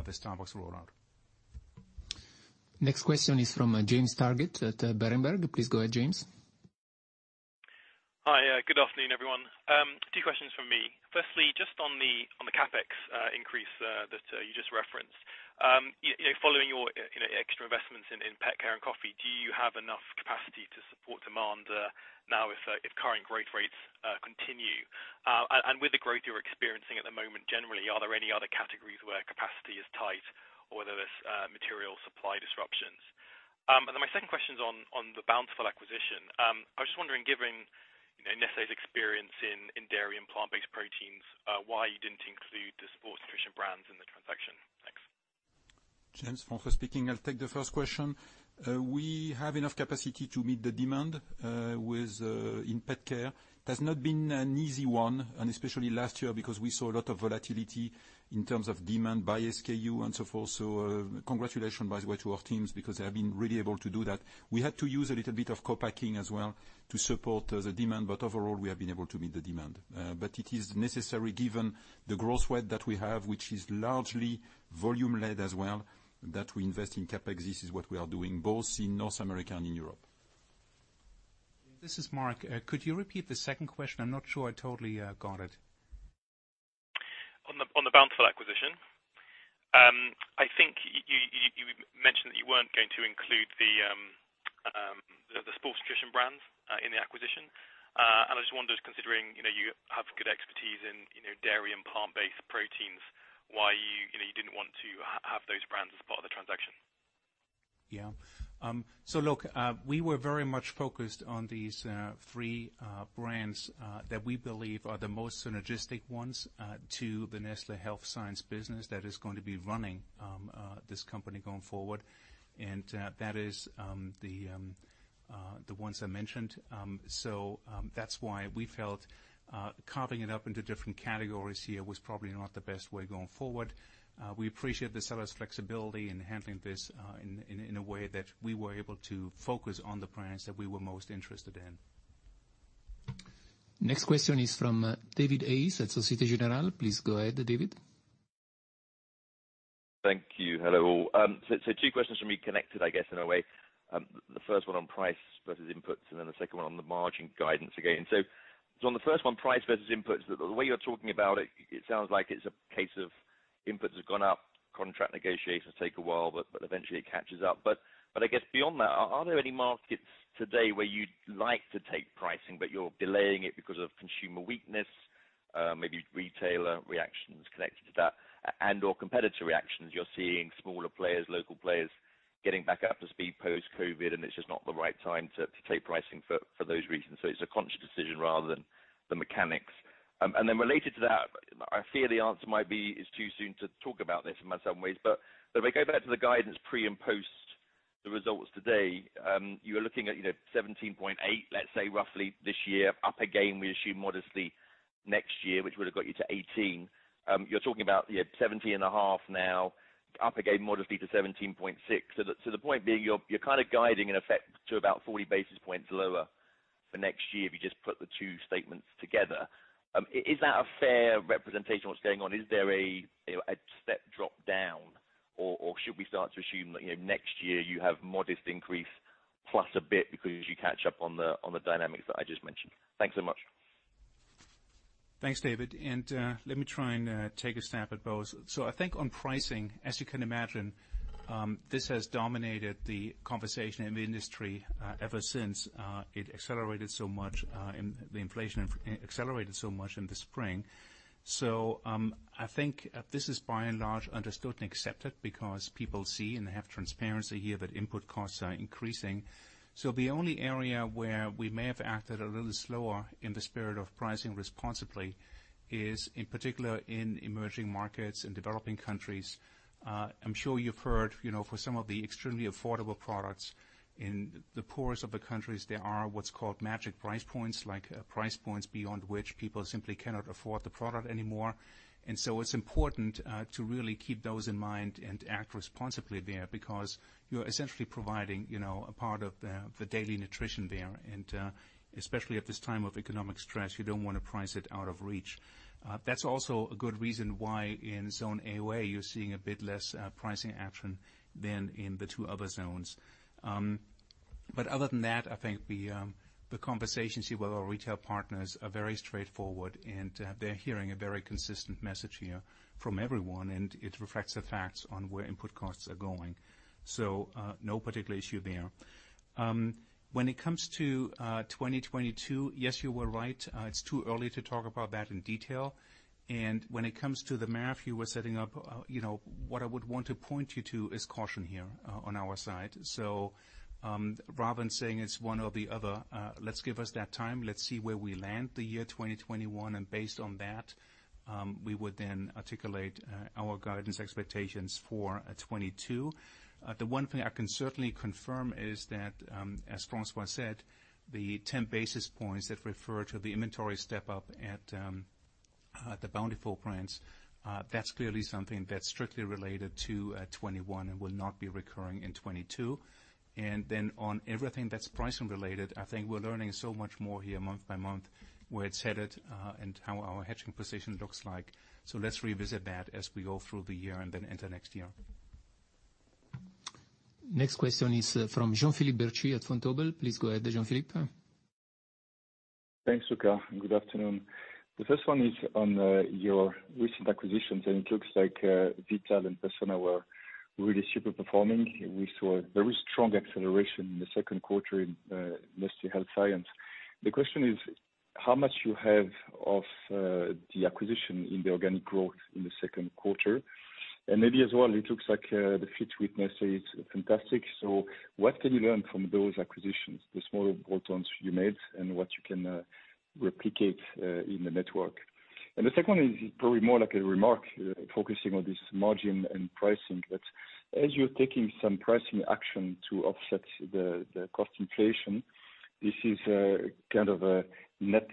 the Starbucks rollout. Next question is from James Targett at Berenberg. Please go ahead, James. Hi. Good afternoon, everyone. Two questions from me. Firstly, just on the CapEx increase that you just referenced. Following your extra investments in pet care and coffee, do you have enough capacity to support demand now if current growth rates continue? With the growth you're experiencing at the moment generally, are there any other categories where capacity is tight or where there's material supply disruptions? My second question's on the Bountiful acquisition. I was just wondering, given Nestlé's experience in dairy and plant-based proteins, why you didn't include the sports nutrition brands in the transaction? Thanks. James, François speaking. I'll take the first question. We have enough capacity to meet the demand in pet care. It has not been an easy one, especially last year, because we saw a lot of volatility in terms of demand by SKU and so forth. Congratulations, by the way, to our teams, because they have been really able to do that. We had to use a little bit of co-packing as well to support the demand, overall, we have been able to meet the demand. It is necessary given the growth rate that we have, which is largely volume led as well, that we invest in CapEx. This is what we are doing, both in North America and in Europe. This is Mark. Could you repeat the second question? I'm not sure I totally got it. On the Bountiful acquisition. I think you mentioned that you weren't going to include the sports nutrition brands in the acquisition. I just wonder, considering you have good expertise in dairy and plant-based proteins, why you didn't want to have those brands as part of the transaction. Look, we were very much focused on these three brands that we believe are the most synergistic ones to the Nestlé Health Science business that is going to be running this company going forward. That is the ones I mentioned. That's why we felt carving it up into different categories here was probably not the best way going forward. We appreciate the seller's flexibility in handling this in a way that we were able to focus on the brands that we were most interested in. Next question is from David Seyfrat at Societe Generale. Please go ahead, David. Thank you. Hello all. Two questions from me, connected, I guess, in a way. The first one on price versus inputs, the second one on the margin guidance again. On the first one, price versus inputs, the way you're talking about it sounds like it's a case of inputs have gone up, contract negotiations take a while, but eventually it catches up. But I guess beyond that, are there any markets today where you'd like to take pricing but you're delaying it because of consumer weakness, maybe retailer reactions connected to that and/or competitor reactions? You're seeing smaller players, local players getting back up to speed post-COVID, it's just not the right time to take pricing for those reasons. It's a conscious decision rather than the mechanics. Related to that, I fear the answer might be it's too soon to talk about this in some ways. If I go back to the guidance pre and post the results today, you are looking at 17.8, let's say roughly this year, up again, we assume modestly next year, which would have got you to 18. You're talking about 17.5 now, up again modestly to 17.6. The point being, you're kind of guiding in effect to about 40 basis points lower for next year if you just put the two statements together. Is that a fair representation of what's going on? Is there a step drop down or should we start to assume that next year you have modest increase plus a bit because you catch up on the dynamics that I just mentioned? Thanks so much. Thanks, David. Let me try and take a stab at both. I think on pricing, as you can imagine, this has dominated the conversation in the industry ever since the inflation accelerated so much in the spring. So, I think this is by and large understood and accepted because people see and they have transparency here that input costs are increasing. The only area where we may have acted a little slower in the spirit of pricing responsibly is in particular in emerging markets and developing countries. I'm sure you've heard, for some of the extremely affordable products in the poorest of the countries, there are what's called magic price points, like price points beyond which people simply cannot afford the product anymore. It's important to really keep those in mind and act responsibly there, because you're essentially providing a part of the daily nutrition there, and especially at this time of economic stress, you don't want to price it out of reach. That's also a good reason why in Zone AOA, you're seeing a bit less pricing action than in the two other zones. Other than that, I think the conversations here with our retail partners are very straightforward, and they're hearing a very consistent message here from everyone, and it reflects the facts on where input costs are going. No particular issue there. When it comes to 2022, yes, you are right. It's too early to talk about that in detail. When it comes to the math you were setting up, what I would want to point you to is caution here on our side. So, rather than saying it's one or the other, let's give us that time. Let's see where we land the year 2021, and based on that, we would then articulate our guidance expectations for 2022. The one thing I can certainly confirm is that, as François said, the 10 basis points that refer to the inventory step-up at the Bountiful brands, that's clearly something that's strictly related to 2021 and will not be recurring in 2022. On everything that's pricing related, I think we're learning so much more here month by month, where it's headed, and how our hedging position looks like. Let's revisit that as we go through the year and then enter next year. Next question is from Jean-Philippe Bertschy at Vontobel. Please go ahead, Jean-Philippe. Thanks, Luca. Good afternoon. The first one is on your recent acquisitions. It looks like Vital and Persona were really super performing. We saw very strong acceleration in the second quarter in Nestlé Health Science. The question is how much you have of the acquisition in the organic growth in the second quarter. Maybe as well, it looks like the fit with Nestlé is fantastic. What can you learn from those acquisitions, the smaller add-ons you made and what you can replicate in the network? The second one is probably more like a remark focusing on this margin and pricing. As you're taking some pricing action to offset the cost inflation, this is kind of a net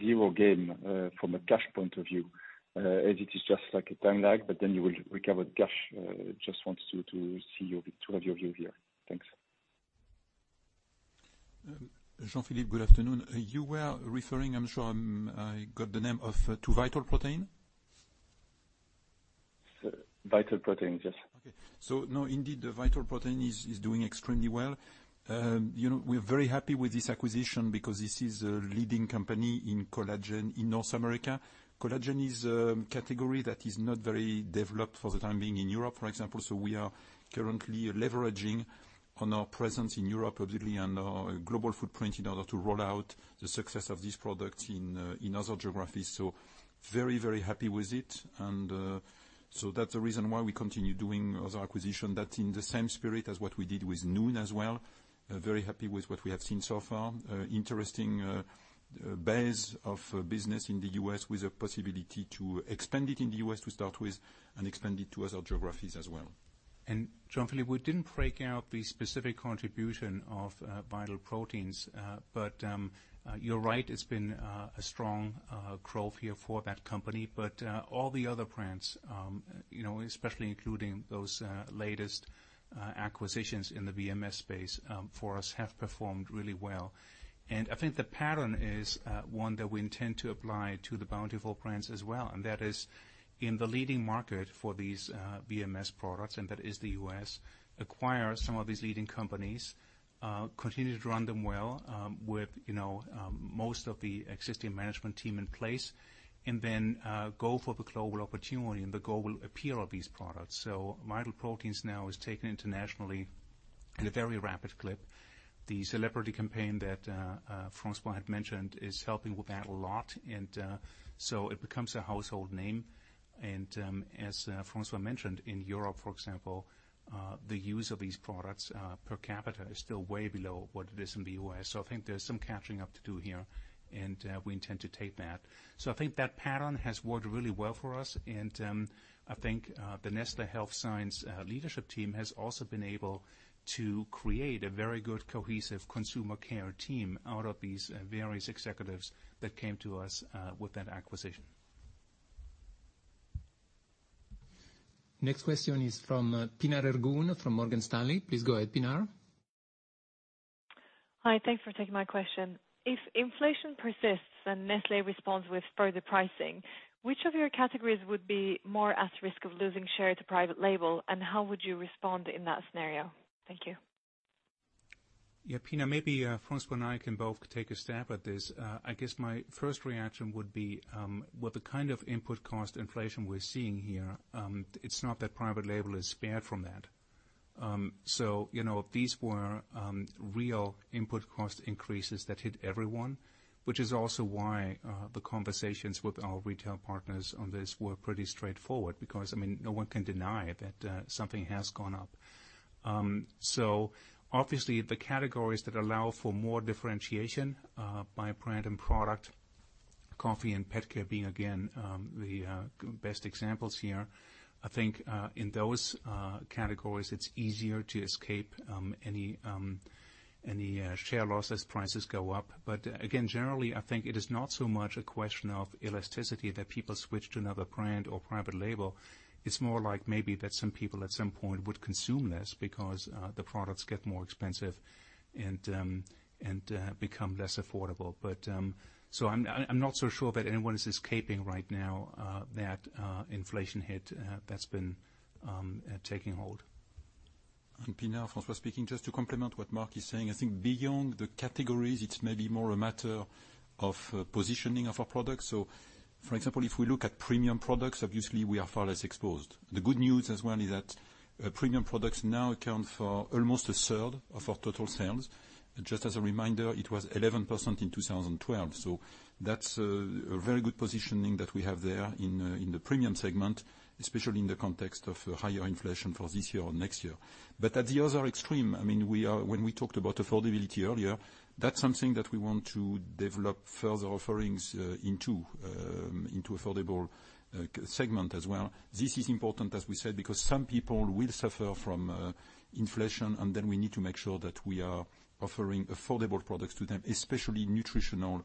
zero game from a cash point of view, as it is just like a time lag. Then you will recover cash. Just wanted to have your view here. Thanks. Jean-Philippe, good afternoon. You were referring, I'm sure I got the name, to Vital Proteins? Vital Proteins, yes. Okay. No, indeed, the Vital Proteins is doing extremely well. We are very happy with this acquisition because this is a leading company in collagen in North America. Collagen is a category that is not very developed for the time being in Europe, for example, so we are currently leveraging on our presence in Europe, obviously, and our global footprint in order to roll out the success of this product in other geographies. Very happy with it, that is the reason why we continue doing other acquisition that in the same spirit as what we did with Nuun as well. Very happy with what we have seen so far. Interesting base of business in the U.S. with a possibility to expand it in the U.S. to start with and expand it to other geographies as well. Jean-Philippe, we didn't break out the specific contribution of Vital Proteins, but you're right, it's been a strong growth year for that company. But all the other brands, especially including those latest acquisitions in the VMS space for us, have performed really well. I think the pattern is one that we intend to apply to the Bountiful brands as well, and that is in the leading market for these VMS products, and that is the U.S., acquire some of these leading companies, continue to run them well with most of the existing management team in place, then go for the global opportunity and the global appeal of these products. Vital Proteins now is taken internationally in a very rapid clip. The celebrity campaign that François had mentioned is helping with that a lot, it becomes a household name. As François mentioned, in Europe, for example, the use of these products per capita is still way below what it is in the U.S. I think there's some catching up to do here, and we intend to take that. I think that pattern has worked really well for us, and I think the Nestlé Health Science leadership team has also been able to create a very good cohesive consumer care team out of these various executives that came to us with that acquisition. Next question is from Pinar Ergun from Morgan Stanley. Please go ahead, Pinar. Thanks for taking my question. If inflation persists and Nestlé responds with further pricing, which of your categories would be more at risk of losing share to private label, and how would you respond in that scenario? Thank you. Yeah, Pinar, maybe François and I can both take a stab at this. I guess my first reaction would be with the kind of input cost inflation we're seeing here, it's not that private label is spared from that. So, you know, these were real input cost increases that hit everyone, which is also why the conversations with our retail partners on this were pretty straightforward because, I mean, no one can deny that something has gone up. So obviously, the categories that allow for more differentiation by brand and product, coffee and PetCare being, again, the best examples here. I think in those categories, it's easier to escape any share loss as prices go up. Again, generally, I think it is not so much a question of elasticity that people switch to another brand or private label. It's more like maybe that some people at some point would consume less because the products get more expensive and become less affordable. I'm not so sure that anyone is escaping right now that inflation hit that's been taking hold. Pinar, François speaking. Just to complement what Mark is saying, I think beyond the categories, it is maybe more a matter of positioning of our products. So for example, if we look at premium products, obviously we are far less exposed. The good news as well is that premium products now account for almost a third of our total sales. Just as a reminder, it was 11% in 2012. That is a very good positioning that we have there in the premium segment, especially in the context of higher inflation for this year or next year. At the other extreme, I mean, when we talked about affordability earlier, that is something that we want to develop further offerings into affordable segment as well. This is important, as we said, because some people will suffer from inflation. We need to make sure that we are offering affordable products to them, especially nutritional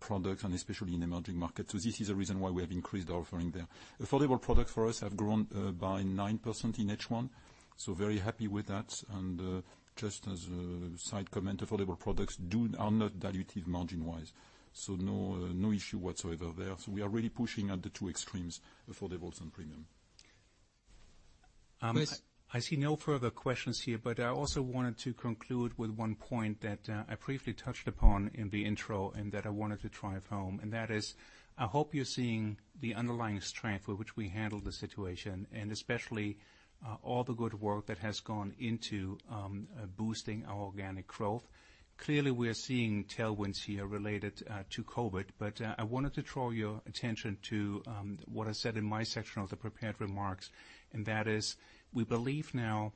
products and especially in emerging markets. This is a reason why we have increased our offering there. Affordable products for us have grown by 9% in H1, so very happy with that. Just as a side comment, affordable products are not dilutive margin wise. No issue whatsoever there. We are really pushing at the two extremes, affordables and premium. Mark. I see no further questions here. I also wanted to conclude with one point that I briefly touched upon in the intro and that I wanted to drive home, and that is, I hope you're seeing the underlying strength with which we handled the situation, and especially all the good work that has gone into boosting our organic growth. Clearly, we're seeing tailwinds here related to COVID. I wanted to draw your attention to what I said in my section of the prepared remarks, and that is we believe now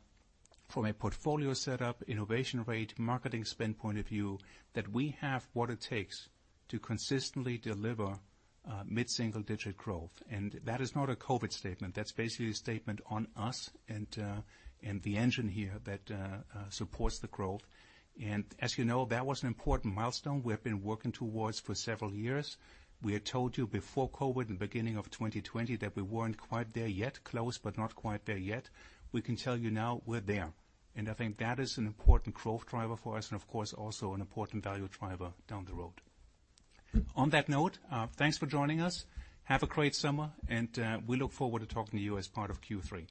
from a portfolio setup, innovation rate, marketing spend point of view, that we have what it takes to consistently deliver mid-single digit growth. That is not a COVID statement. That's basically a statement on us and the engine here that supports the growth. And as you know, that was an important milestone we have been working towards for several years. We had told you before COVID in the beginning of 2020 that we weren't quite there yet, close, but not quite there yet. We can tell you now we're there, and I think that is an important growth driver for us and of course also an important value driver down the road. On that note, thanks for joining us. Have a great summer, and we look forward to talking to you as part of Q3.